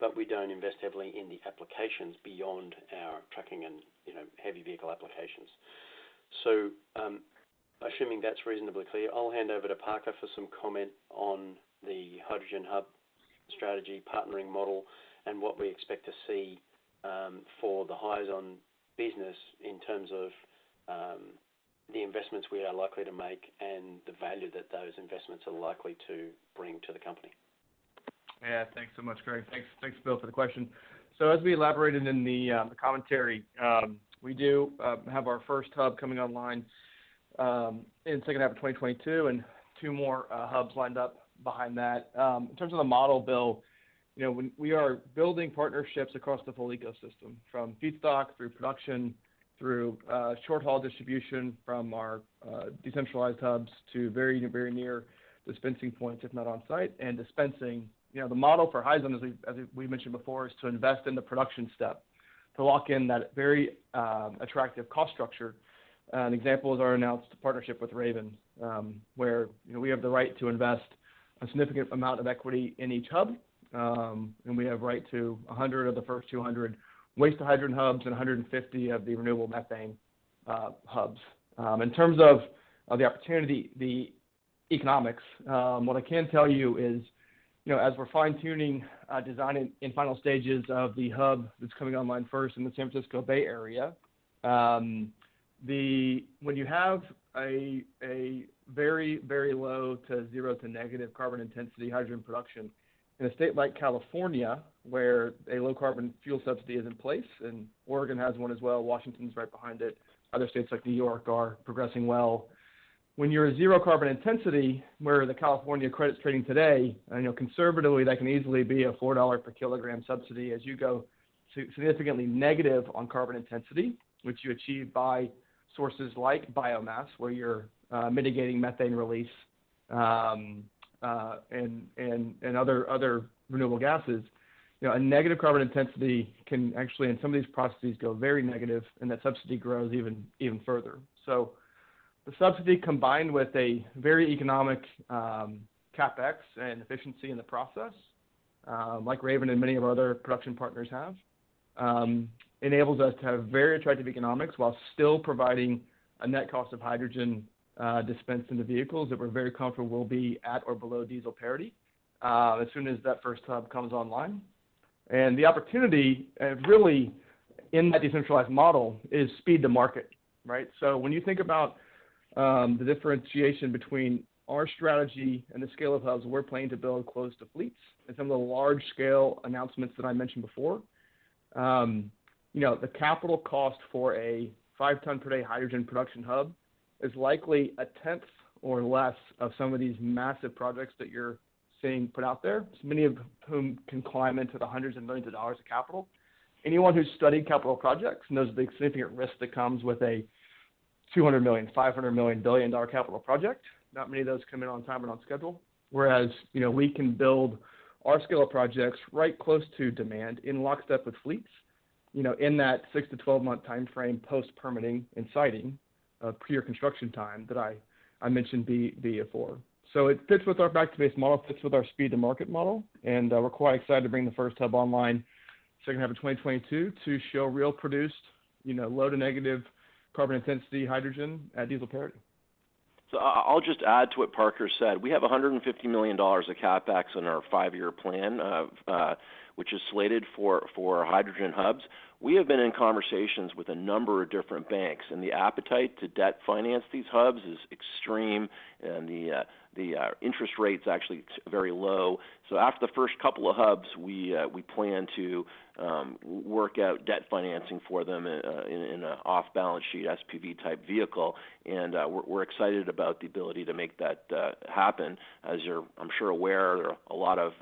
but we don't invest heavily in the applications beyond our trucking and, you know, heavy vehicle applications. Assuming that's reasonably clear, I'll hand over to Parker for some comment on the Hydrogen Hub strategy partnering model, and what we expect to see, for the Hyzon business in terms of, the investments we are likely to make and the value that those investments are likely to bring to the company. Yeah. Thanks so much, Craig. Thanks, Bill, for the question. As we elaborated in the commentary, we do have our first hub coming online in second half of 2022, and two more hubs lined up behind that. In terms of the model, Bill, you know, when we are building partnerships across the full ecosystem, from feedstock through production, through short haul distribution from our decentralized hubs to very, very near dispensing points, if not on site, and dispensing. You know, the model for Hyzon, as we mentioned before, is to invest in the production step to lock in that very attractive cost structure. An example is our announced partnership with Raven, where, you know, we have the right to invest a significant amount of equity in each hub, and we have right to 100 of the first 200 waste hydrogen hubs and 150 of the renewable methane hubs. In terms of the opportunity, the economics, what I can tell you is, you know, as we're fine-tuning, designing in final stages of the hub that's coming online first in the San Francisco Bay Area, when you have a very, very low to zero to negative carbon intensity hydrogen production in a state like California, where a low carbon fuel subsidy is in place, and Oregon has one as well, Washington's right behind it, other states like New York are progressing well. When you're a zero carbon intensity, where are the California credits trading today? I know conservatively that can easily be a $4 per kilogram subsidy as you go significantly negative on carbon intensity, which you achieve by sources like biomass, where you're mitigating methane release and other renewable gases. You know, a negative carbon intensity can actually, in some of these processes, go very negative, and that subsidy grows even further. The subsidy combined with a very economic CapEx and efficiency in the process, like Raven and many of our other production partners have, enables us to have very attractive economics while still providing a net cost of hydrogen dispensed into vehicles that we're very comfortable will be at or below diesel parity as soon as that first hub comes online. The opportunity really in that decentralized model is speed to market, right? When you think about the differentiation between our strategy and the scale of hubs we're planning to build close to fleets and some of the large scale announcements that I mentioned before, you know, the capital cost for a 5 ton per day hydrogen production hub is likely a tenth or less of some of these massive projects that you're seeing put out there, so many of whom can climb into the hundreds of millions of dollars of capital. Anyone who's studied capital projects knows the significant risk that comes with a $200 million, $500 million, $1 billion-dollar capital project. Not many of those come in on time and on schedule. Whereas, you know, we can build our scale of projects right close to demand in lockstep with fleets, you know, in that six to 12-month time frame post-permitting and siting of pre-construction time that I mentioned before. It fits with our back-to-base model, fits with our speed-to-market model, and we're quite excited to bring the first hub online second half of 2022 to show real produced, you know, low to negative carbon intensity hydrogen at diesel parity. I'll just add to what Parker said. We have $150 million of CapEx in our five-year plan, which is slated for hydrogen hubs. We have been in conversations with a number of different banks, and the appetite to debt finance these hubs is extreme, and the interest rate's actually very low. After the first couple of hubs, we plan to work out debt financing for them in an off-balance sheet SPV-type vehicle. We're excited about the ability to make that happen. As you're, I'm sure, aware, there are a lot of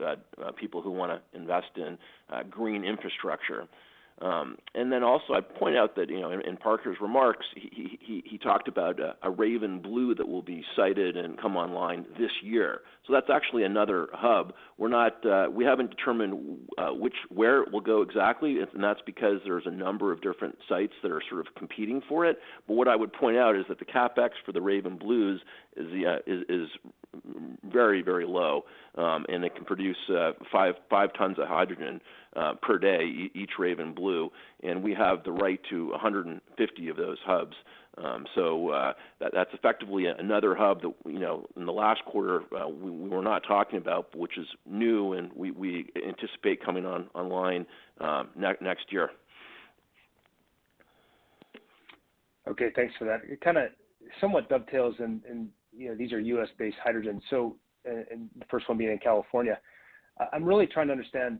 people who wanna invest in green infrastructure. I point out that, you know, in Parker's remarks, he talked about a Raven SR that will be sited and come online this year. That's actually another hub. We're not, we haven't determined where it will go exactly, and that's because there's a number of different sites that are sort of competing for it. What I would point out is that the CapEx for the Raven SRs is very, very low. It can produce 5 tons of hydrogen per day each Raven SR, and we have the right to 150 of those hubs. That's effectively another hub that, you know, in the last quarter, we were not talking about, which is new, and we anticipate coming online next year. Okay. Thanks for that. It kinda somewhat dovetails and, you know, these are U.S.-based hydrogen, and the first one being in California. I'm really trying to understand,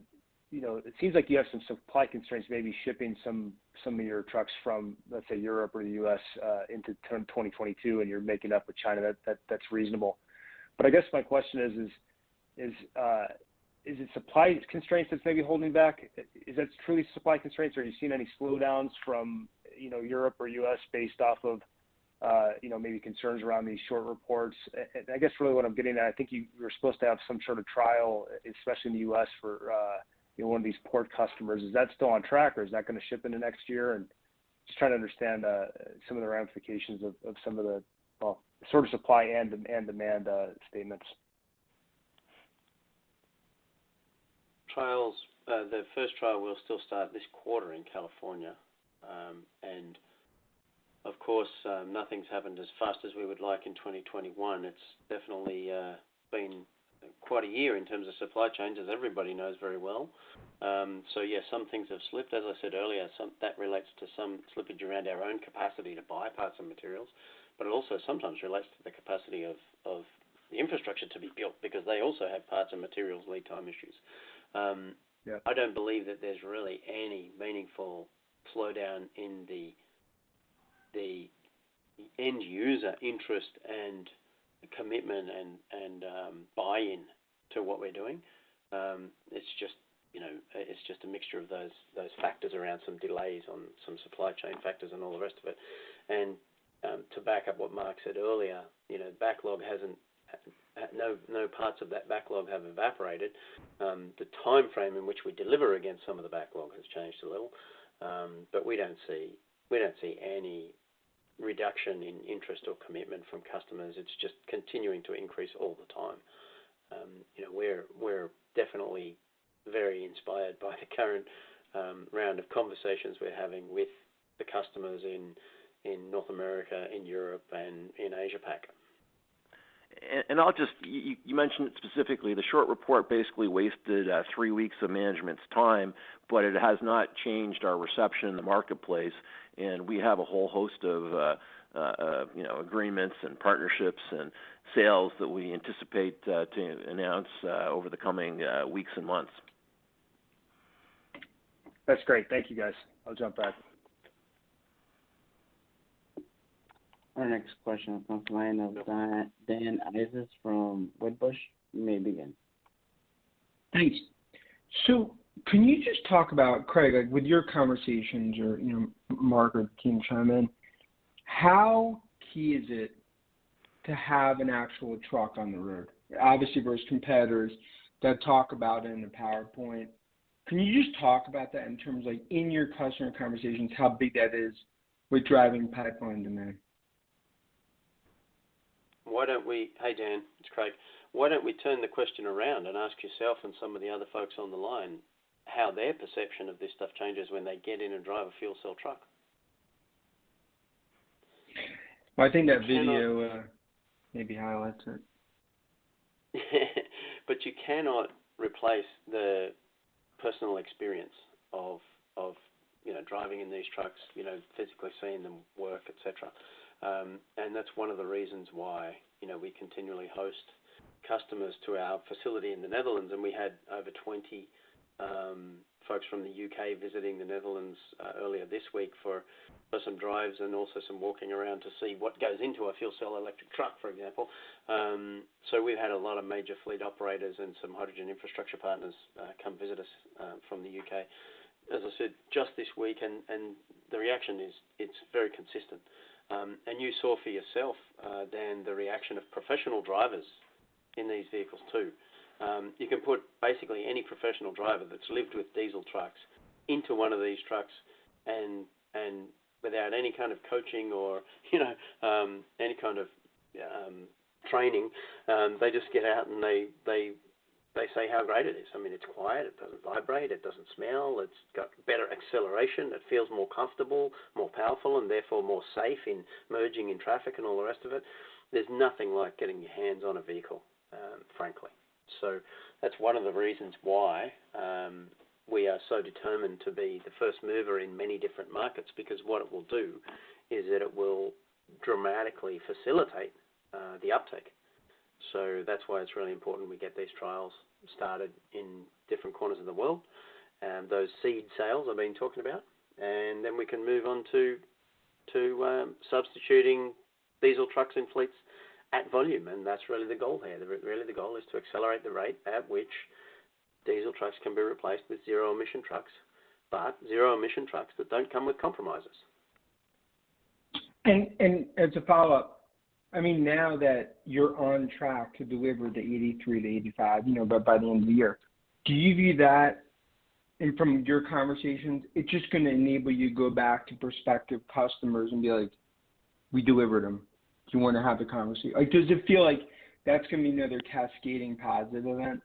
you know, it seems like you have some supply constraints, maybe shipping some of your trucks from, let's say, Europe or the U.S., into 2022, and you're making up with China. That, that's reasonable. I guess my question is it supply constraints that's maybe holding back? Is that truly supply constraints, or are you seeing any slowdowns from, you know, Europe or U.S. based off of, you know, maybe concerns around these short reports? And I guess really what I'm getting at, I think you're supposed to have some sort of trial, especially in the U.S. for, you know, one of these port customers. Is that still on track, or is that gonna ship into next year? Just trying to understand some of the ramifications of, well, sort of supply and demand statements. Trials. The first trial will still start this quarter in California. Of course, nothing's happened as fast as we would like in 2021. It's definitely been quite a year in terms of supply chain, as everybody knows very well. Yeah, some things have slipped. As I said earlier, that relates to some slippage around our own capacity to buy parts and materials, but it also sometimes relates to the capacity of the infrastructure to be built because they also have parts and materials lead time issues. Yeah. I don't believe that there's really any meaningful slowdown in the end user interest and commitment and buy-in to what we're doing. It's just, you know, it's just a mixture of those factors around some delays on some supply chain factors and all the rest of it. To back up what Mark said earlier, you know, no parts of that backlog have evaporated. The timeframe in which we deliver against some of the backlog has changed a little. But we don't see any reduction in interest or commitment from customers. It's just continuing to increase all the time. You know, we're definitely very inspired by the current round of conversations we're having with the customers in North America, in Europe, and in Asia-Pac. I'll just, you mentioned it specifically, the short report basically wasted three weeks of management's time, but it has not changed our reception in the marketplace, and we have a whole host of, you know, agreements and partnerships and sales that we anticipate to announce over the coming weeks and months. That's great. Thank you, guys. I'll jump back. Our next question comes from the line of Dan Ives from Wedbush. You may begin. Thanks. Can you just talk about, Craig, like, with your conversations or, you know, Mark or team chime in, how key is it to have an actual truck on the road, obviously, versus competitors that talk about it in the PowerPoint? Can you just talk about that in terms of, like, in your customer conversations, how big that is with driving pipeline demand? Hey, Dan, it's Craig. Why don't we turn the question around and ask yourself and some of the other folks on the line how their perception of this stuff changes when they get in and drive a fuel cell truck? Well, I think that video, maybe highlights it. You cannot replace the personal experience of, you know, driving in these trucks, you know, physically seeing them work, et cetera. That's one of the reasons why, you know, we continually host customers to our facility in the Netherlands, and we had over 20 folks from the U.K. visiting the Netherlands earlier this week for some drives and also some walking around to see what goes into a fuel cell electric truck, for example. We've had a lot of major fleet operators and some hydrogen infrastructure partners come visit us from the U.K., as I said, just this week. The reaction is it's very consistent. You saw for yourself, Dan, the reaction of professional drivers in these vehicles too. You can put basically any professional driver that's lived with diesel trucks into one of these trucks and without any kind of coaching or, you know, any kind of training, they just get out and they say how great it is. I mean, it's quiet. It doesn't vibrate. It doesn't smell. It's got better acceleration. It feels more comfortable, more powerful, and therefore more safe in merging in traffic and all the rest of it. There's nothing like getting your hands on a vehicle, frankly. That's one of the reasons why we are so determined to be the first mover in many different markets, because what it will do is that it will dramatically facilitate the uptake. That's why it's really important we get these trials started in different corners of the world, those seed sales I've been talking about. We can move on to substituting diesel trucks and fleets at volume, and that's really the goal here. The really, the goal is to accelerate the rate at which diesel trucks can be replaced with zero-emission trucks, but zero-emission trucks that don't come with compromises. As a follow-up, I mean, now that you're on track to deliver the 83-85, you know, by the end of the year, do you view that- from your conversations, it's just gonna enable you to go back to prospective customers and be like, "We delivered them. Do you wanna have the conversation?" Like, does it feel like that's gonna be another cascading positive event?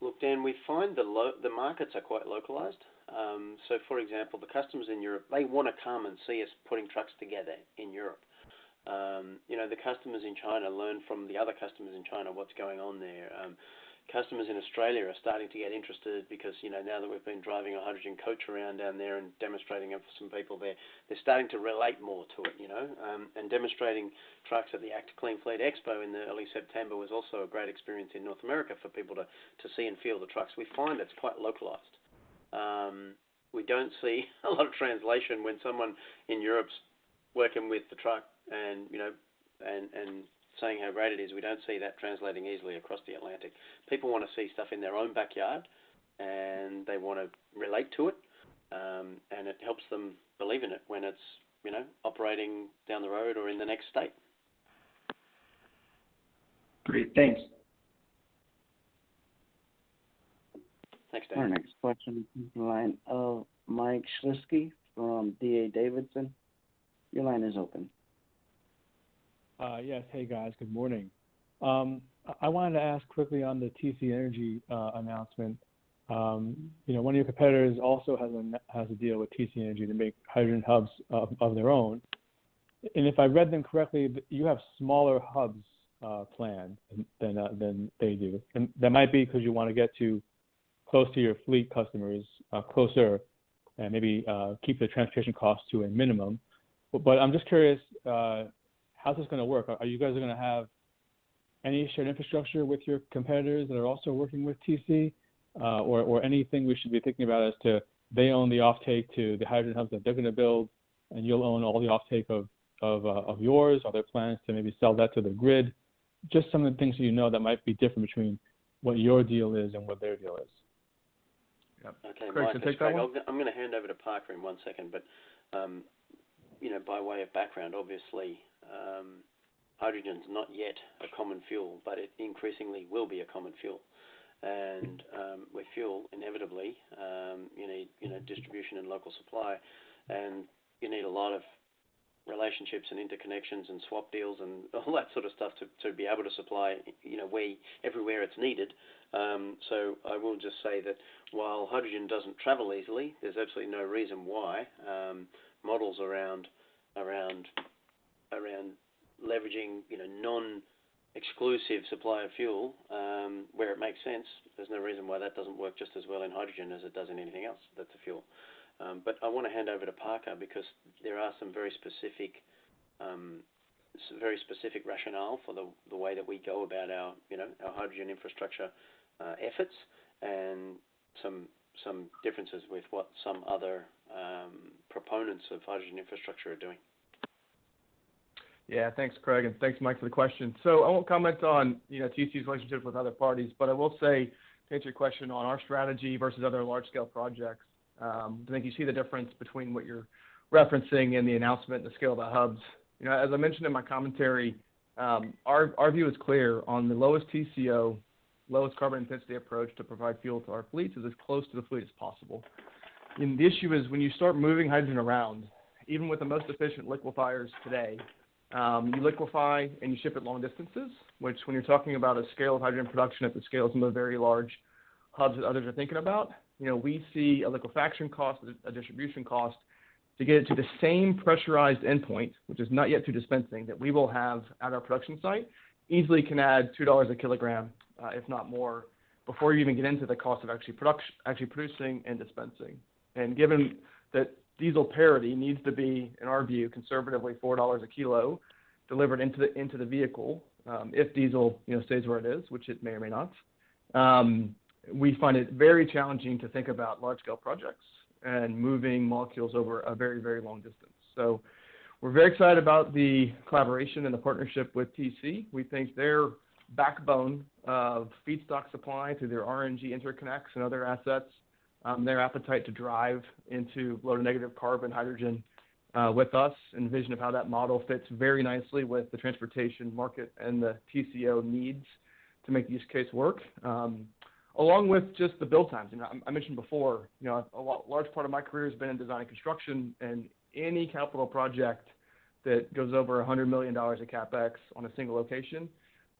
Look, Dan, we find the markets are quite localized. So for example, the customers in Europe, they wanna come and see us putting trucks together in Europe. You know, the customers in China learn from the other customers in China what's going on there. Customers in Australia are starting to get interested because, you know, now that we've been driving a hydrogen coach around down there and demonstrating it for some people there, they're starting to relate more to it, you know. Demonstrating trucks at the ACT Clean Fleet Expo in early September was also a great experience in North America for people to see and feel the trucks. We find it's quite localized. We don't see a lot of translation when someone in Europe's working with the truck and, you know, saying how great it is. We don't see that translating easily across the Atlantic. People wanna see stuff in their own backyard, and they wanna relate to it. It helps them believe in it when it's, you know, operating down the road or in the next state. Great. Thanks. Thanks, Dan. Our next question comes from the line of Mike Shlisky from D.A. Davidson. Your line is open. Yes. Hey, guys. Good morning. I wanted to ask quickly on the TC Energy announcement. You know, one of your competitors also has a deal with TC Energy to make hydrogen hubs of their own. If I read them correctly, you have smaller hubs planned than they do. That might be 'cause you wanna get too close to your fleet customers, closer and maybe keep the transportation costs to a minimum. I'm just curious, how's this gonna work? Are you guys gonna have any shared infrastructure with your competitors that are also working with TC, or anything we should be thinking about as to they own the offtake to the hydrogen hubs that they're gonna build, and you'll own all the offtake of yours? Are there plans to maybe sell that to the grid? Just some of the things you know that might be different between what your deal is and what their deal is. Yeah. Craig, can you take that one? I'm gonna hand over to Parker in one second, but you know, by way of background, obviously, hydrogen's not yet a common fuel, but it increasingly will be a common fuel. With fuel, inevitably, you need, you know, distribution and local supply. You need a lot of relationships and interconnections and swap deals and all that sort of stuff to be able to supply, you know, everywhere it's needed. I will just say that while hydrogen doesn't travel easily, there's absolutely no reason why models around leveraging, you know, non-exclusive supply of fuel, where it makes sense, there's no reason why that doesn't work just as well in hydrogen as it does in anything else that's a fuel. I wanna hand over to Parker because there are some very specific rationale for the way that we go about our, you know, our hydrogen infrastructure efforts, and some differences with what some other proponents of hydrogen infrastructure are doing. Yeah. Thanks, Craig, and thanks, Mike, for the question. I won't comment on, you know, TC's relationships with other parties, but I will say, to answer your question on our strategy versus other large scale projects, I think you see the difference between what you're referencing in the announcement and the scale of the hubs. You know, as I mentioned in my commentary, our view is clear on the lowest TCO, lowest carbon intensity approach to provide fuel to our fleets is as close to the fleet as possible. The issue is when you start moving hydrogen around, even with the most efficient liquefiers today, you liquefy and you ship it long distances, which when you're talking about a scale of hydrogen production at the scales of the very large hubs that others are thinking about, you know, we see a liquefaction cost, a distribution cost to get it to the same pressurized endpoint, which is not yet through dispensing, that we will have at our production site, easily can add $2 a kilogram, if not more, before you even get into the cost of actually producing and dispensing. Given that diesel parity needs to be, in our view, conservatively $4 a kilo delivered into the vehicle, if diesel, you know, stays where it is, which it may or may not, we find it very challenging to think about large scale projects and moving molecules over a very, very long distance. We're very excited about the collaboration and the partnership with TC. We think their backbone of feedstock supply through their RNG interconnects and other assets, their appetite to drive into low to negative carbon hydrogen with us and vision of how that model fits very nicely with the transportation market and the TCO needs to make the use case work, along with just the build times. You know, I mentioned before, you know, a large part of my career has been in design and construction, and any capital project that goes over $100 million of CapEx on a single location,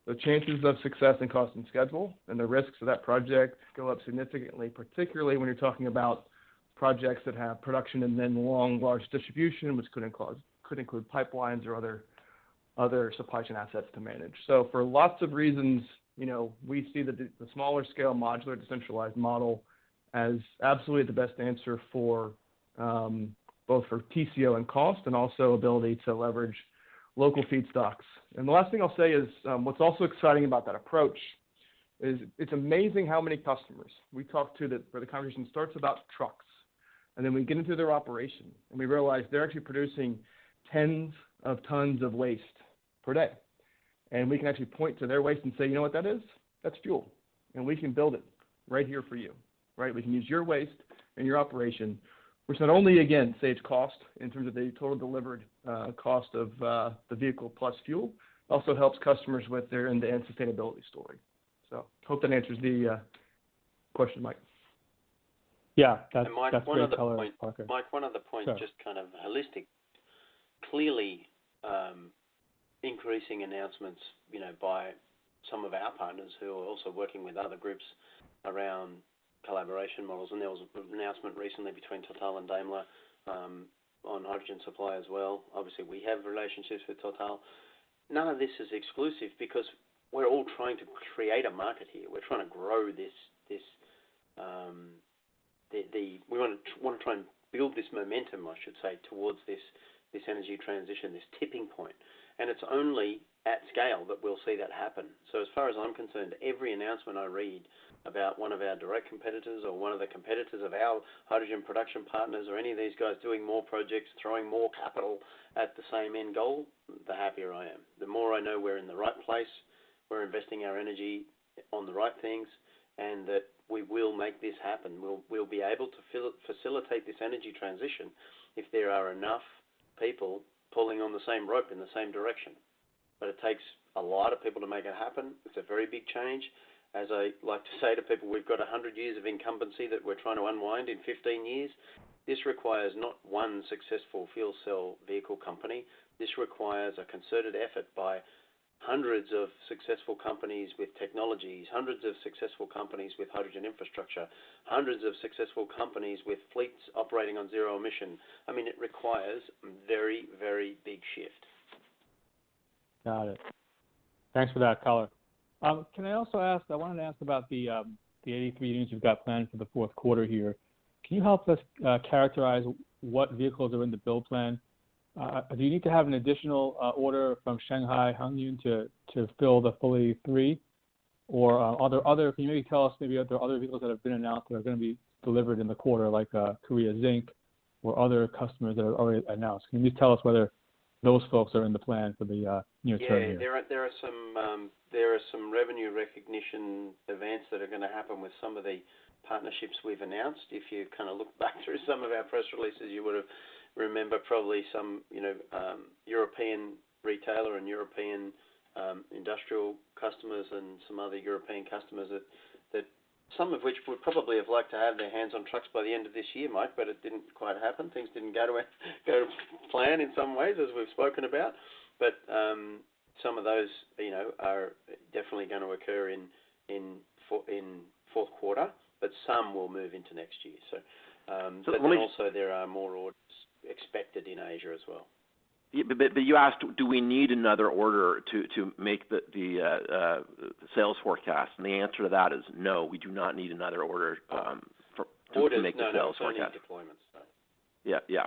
the chances of success and cost and schedule and the risks of that project go up significantly, particularly when you're talking about projects that have production and then long, large distribution, which could include pipelines or other supply chain assets to manage. For lots of reasons, you know, we see the smaller scale modular decentralized model as absolutely the best answer for both for TCO and cost and also ability to leverage local feedstocks. The last thing I'll say is, what's also exciting about that approach is it's amazing how many customers we talk to that where the conversation starts about trucks, and then we get into their operation, and we realize they're actually producing tens of tons of waste per day. We can actually point to their waste and say, "You know what that is? That's fuel, and we can build it right here for you." Right? We can use your waste and your operation, which not only again saves cost in terms of the total delivered cost of the vehicle plus fuel, also helps customers with their end-to-end sustainability story. Hope that answers the question, Mike. Yeah, that's- Mike, one other point. Great color, Parker. Mike, one other point- Sure. It's just kind of holistic. Clearly, increasing announcements, you know, by some of our partners who are also working with other groups around collaboration models, and there was an announcement recently between Total and Daimler on hydrogen supply as well. Obviously, we have relationships with Total. None of this is exclusive because we're all trying to create a market here. We're trying to grow this. We wanna try and build this momentum, I should say, towards this energy transition, this tipping point. It's only at scale that we'll see that happen. As far as I'm concerned, every announcement I read about one of our direct competitors or one of the competitors of our hydrogen production partners or any of these guys doing more projects, throwing more capital at the same end goal, the happier I am. The more I know we're in the right place, we're investing our energy on the right things, and that we will make this happen. We'll be able to facilitate this energy transition if there are enough people pulling on the same rope in the same direction. It takes a lot of people to make it happen. It's a very big change. As I like to say to people, we've got 100 years of incumbency that we're trying to unwind in 15 years. This requires not one successful fuel cell vehicle company. This requires a concerted effort by hundreds of successful companies with technologies, hundreds of successful companies with hydrogen infrastructure, hundreds of successful companies with fleets operating on zero emission. I mean, it requires very, very big shift. Got it. Thanks for that color. Can I also ask, I wanted to ask about the 83 units you've got planned for the fourth quarter here. Can you help us characterize what vehicles are in the build plan? Do you need to have an additional order from Shanghai HongYun to fill the full 83? Or are there other vehicles that have been announced that are gonna be delivered in the quarter like Korea Zinc or other customers that are already announced? Can you tell us whether those folks are in the plan for the near term here? Yeah. There are some revenue recognition events that are gonna happen with some of the partnerships we've announced. If you kind of look back through some of our press releases, you would have remember probably some, you know, European retailer and European industrial customers and some other European customers that some of which would probably have liked to have their hands on trucks by the end of this year, Mike, but it didn't quite happen. Things didn't go to plan in some ways, as we've spoken about. Some of those, you know, are definitely gonna occur in fourth quarter, but some will move into next year, so. Also there are more orders expected in Asia as well. You asked, do we need another order to make the sales forecast? The answer to that is no, we do not need another order, for- Order- To make the sales forecast. No, I mean deployments, sorry. Yeah.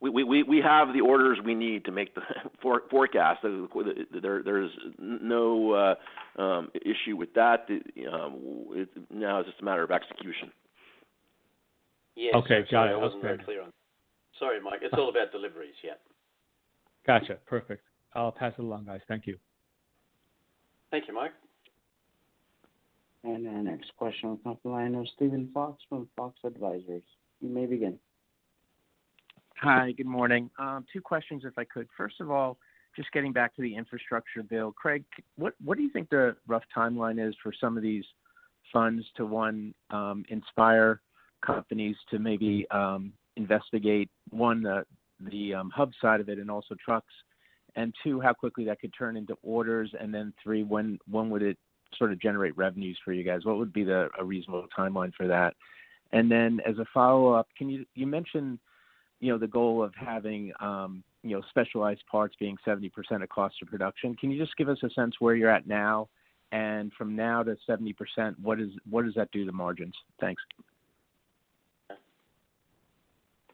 We have the orders we need to make the forecast. There's no issue with that. It's now just a matter of execution. Yes. Okay, got it. That's fair. Sorry, Mike. It's all about deliveries, yeah. Gotcha. Perfect. I'll pass it along, guys. Thank you. Thank you, Mike. The next question on the line is Steven Fox from Fox Advisors. You may begin. Hi, good morning. Two questions, if I could. First of all, just getting back to the infrastructure bill. Craig, what do you think the rough timeline is for some of these funds to, one, inspire companies to maybe investigate the hub side of it and also trucks? And two, how quickly that could turn into orders. And then three, when would it sort of generate revenues for you guys? What would be a reasonable timeline for that? And then as a follow-up, can you. You mentioned, you know, the goal of having, you know, specialized parts being 70% of cost of production. Can you just give us a sense where you're at now? And from now to 70%, what does that do to margins? Thanks.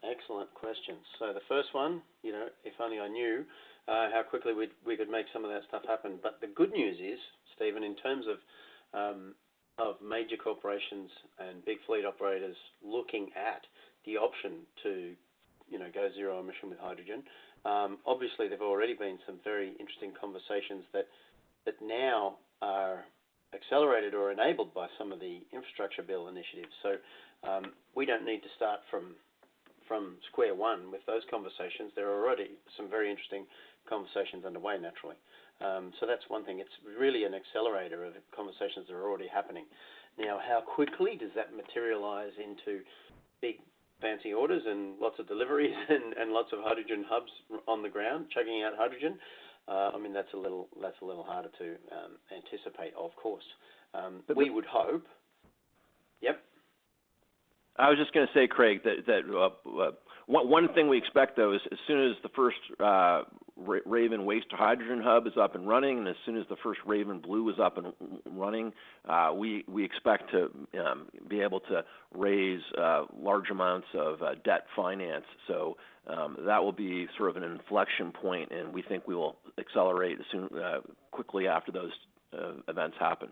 Excellent questions. The first one, you know, if only I knew how quickly we could make some of that stuff happen. But the good news is, Steven, in terms of of major corporations and big fleet operators looking at the option to, you know, go zero emission with hydrogen, obviously, there are already been some very interesting conversations that now are accelerated or enabled by some of the infrastructure bill initiatives. We don't need to start from square one with those conversations. There are already some very interesting conversations underway naturally. That's one thing. It's really an accelerator of conversations that are already happening. Now, how quickly does that materialize into big, fancy orders and lots of deliveries and lots of hydrogen hubs on the ground chugging out hydrogen? I mean, that's a little harder to anticipate, of course. We would hope- Yep. I was just gonna say, Craig, that one thing we expect, though, is as soon as the first Raven waste-to-hydrogen hub is up and running, and as soon as the first Raven Blue is up and running, we expect to be able to raise large amounts of debt finance. That will be sort of an inflection point, and we think we will accelerate quickly after those events happen.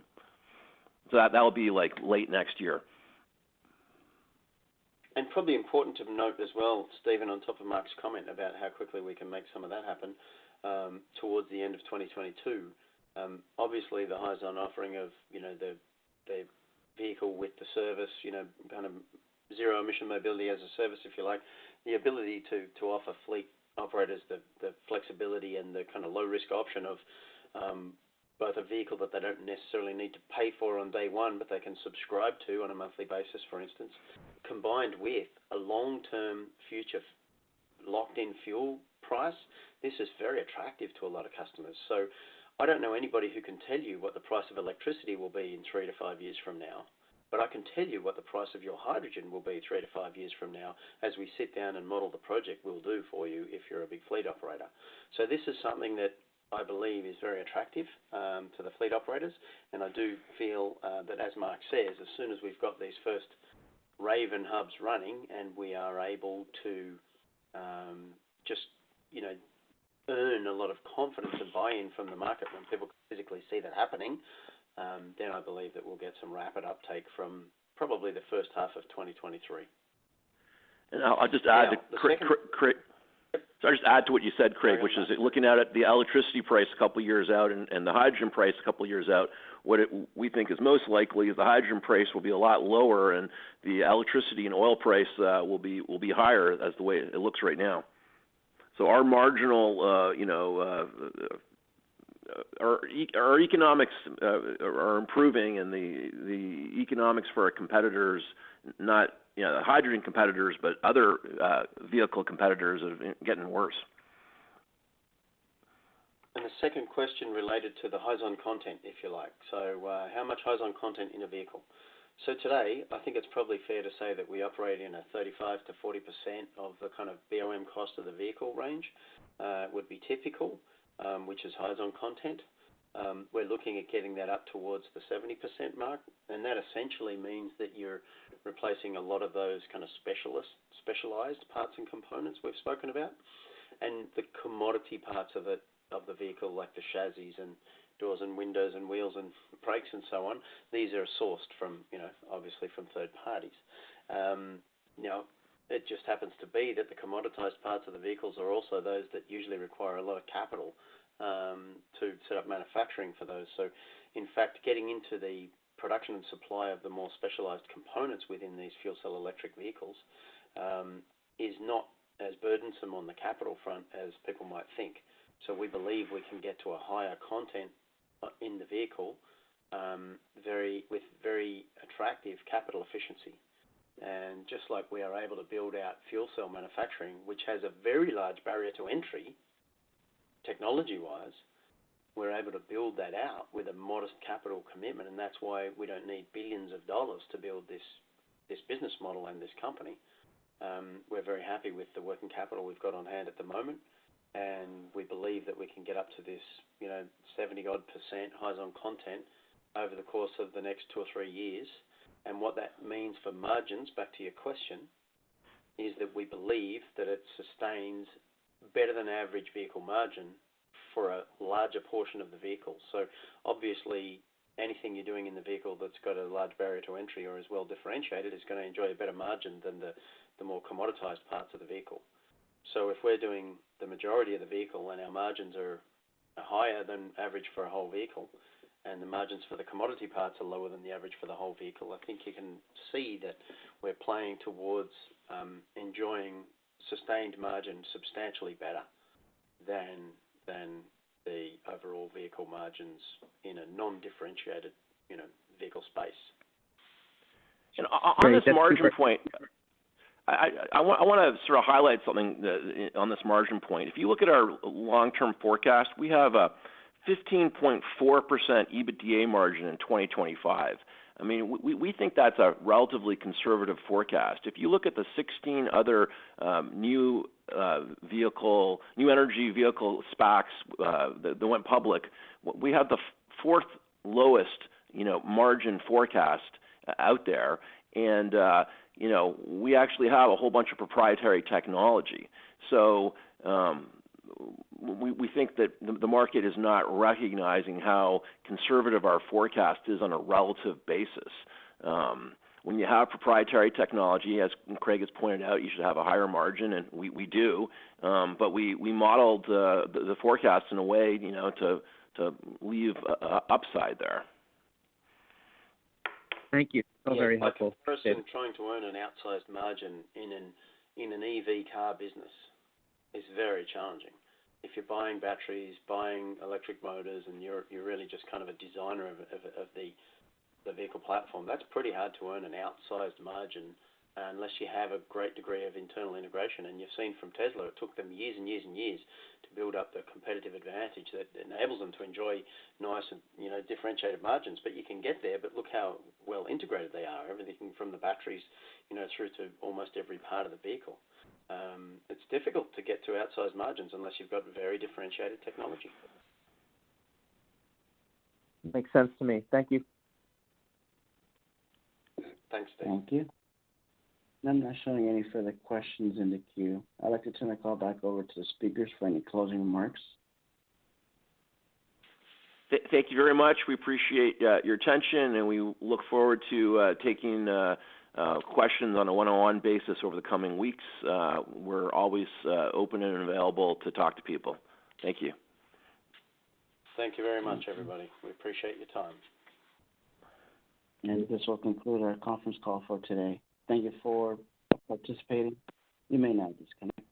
That'll be, like, late next year. Probably important to note as well, Steven, on top of Mark's comment about how quickly we can make some of that happen, towards the end of 2022, obviously the Hyzon offering of, you know, the vehicle with the service, you know, kind of zero-emission mobility as a service, if you like, the ability to offer fleet operators the flexibility and the kind of low-risk option of both a vehicle that they don't necessarily need to pay for on day one, but they can subscribe to on a monthly basis, for instance, combined with a long-term future locked-in fuel price, this is very attractive to a lot of customers. I don't know anybody who can tell you what the price of electricity will be in three to five years from now, but I can tell you what the price of your hydrogen will be three to five years from now as we sit down and model the project we'll do for you if you're a big fleet operator. This is something that I believe is very attractive to the fleet operators, and I do feel that as Mark says, as soon as we've got these first Raven hubs running and we are able to just, you know, earn a lot of confidence and buy-in from the market when people can physically see that happening, then I believe that we'll get some rapid uptake from probably the first half of 2023. I'll just add- sorry, just add to what you said, Craig- which is looking out at the electricity price a couple of years out and the hydrogen price a couple of years out, we think is most likely the hydrogen price will be a lot lower and the electricity and oil price will be higher as the way it looks right now. So our marginal you know our economics are improving and the economics for our competitors, not you know the hydrogen competitors, but other vehicle competitors are getting worse. The second question related to the Hyzon content, if you like. How much Hyzon content in a vehicle? Today, I think it's probably fair to say that we operate in a 35%-40% of the kind of BOM cost of the vehicle range would be typical, which is Hyzon content. We're looking at getting that up towards the 70% mark, and that essentially means that you're replacing a lot of those kind of specialized parts and components we've spoken about. The commodity parts of it, of the vehicle, like the chassis and doors and windows and wheels and brakes and so on, these are sourced from, you know, obviously from third parties. You know, it just happens to be that the commoditized parts of the vehicles are also those that usually require a lot of capital to set up manufacturing for those. In fact, getting into the production and supply of the more specialized components within these fuel cell electric vehicles is not as burdensome on the capital front as people might think. We believe we can get to a higher content in the vehicle with very attractive capital efficiency. Just like we are able to build out fuel cell manufacturing, which has a very large barrier to entry technology-wise, we're able to build that out with a modest capital commitment, and that's why we don't need billions of dollars to build this business model and this company. We're very happy with the working capital we've got on hand at the moment, and we believe that we can get up to this, you know, 70-odd% Hyzon content over the course of the next two or three years. What that means for margins, back to your question, is that we believe that it sustains better than average vehicle margin for a larger portion of the vehicle. Obviously anything you're doing in the vehicle that's got a large barrier to entry or is well-differentiated is gonna enjoy a better margin than the more commoditized parts of the vehicle. If we're doing the majority of the vehicle and our margins are higher than average for a whole vehicle, and the margins for the commodity parts are lower than the average for the whole vehicle, I think you can see that we're playing towards enjoying sustained margins substantially better than the overall vehicle margins in a non-differentiated, you know, vehicle space. On this margin point- I want to sort of highlight something on this margin point. If you look at our long-term forecast, we have a 15.4% EBITDA margin in 2025. I mean, we think that's a relatively conservative forecast. If you look at the 16 other new energy vehicle SPACs that went public, we have the fourth lowest margin forecast out there. You know, we actually have a whole bunch of proprietary technology. We think that the market is not recognizing how conservative our forecast is on a relative basis. When you have proprietary technology, as Craig has pointed out, you should have a higher margin, and we do. We modeled the forecast in a way, you know, to leave upside there. Thank you. That was very helpful. Yeah. A person trying to earn an outsized margin in an EV car business is very challenging. If you're buying batteries, buying electric motors, and you're really just kind of a designer of the vehicle platform, that's pretty hard to earn an outsized margin unless you have a great degree of internal integration. You've seen from Tesla, it took them years and years and years to build up the competitive advantage that enables them to enjoy nice and, you know, differentiated margins. You can get there, but look how well-integrated they are, everything from the batteries, you know, through to almost every part of the vehicle. It's difficult to get to outsized margins unless you've got very differentiated technology. Makes sense to me. Thank you. Thanks, Steven. Thank you. I'm not showing any further questions in the queue. I'd like to turn the call back over to the speakers for any closing remarks. Thank you very much. We appreciate your attention, and we look forward to taking questions on a one-on-one basis over the coming weeks. We're always open and available to talk to people. Thank you. Thank you very much, everybody. We appreciate your time. This will conclude our conference call for today. Thank you for participating. You may now disconnect.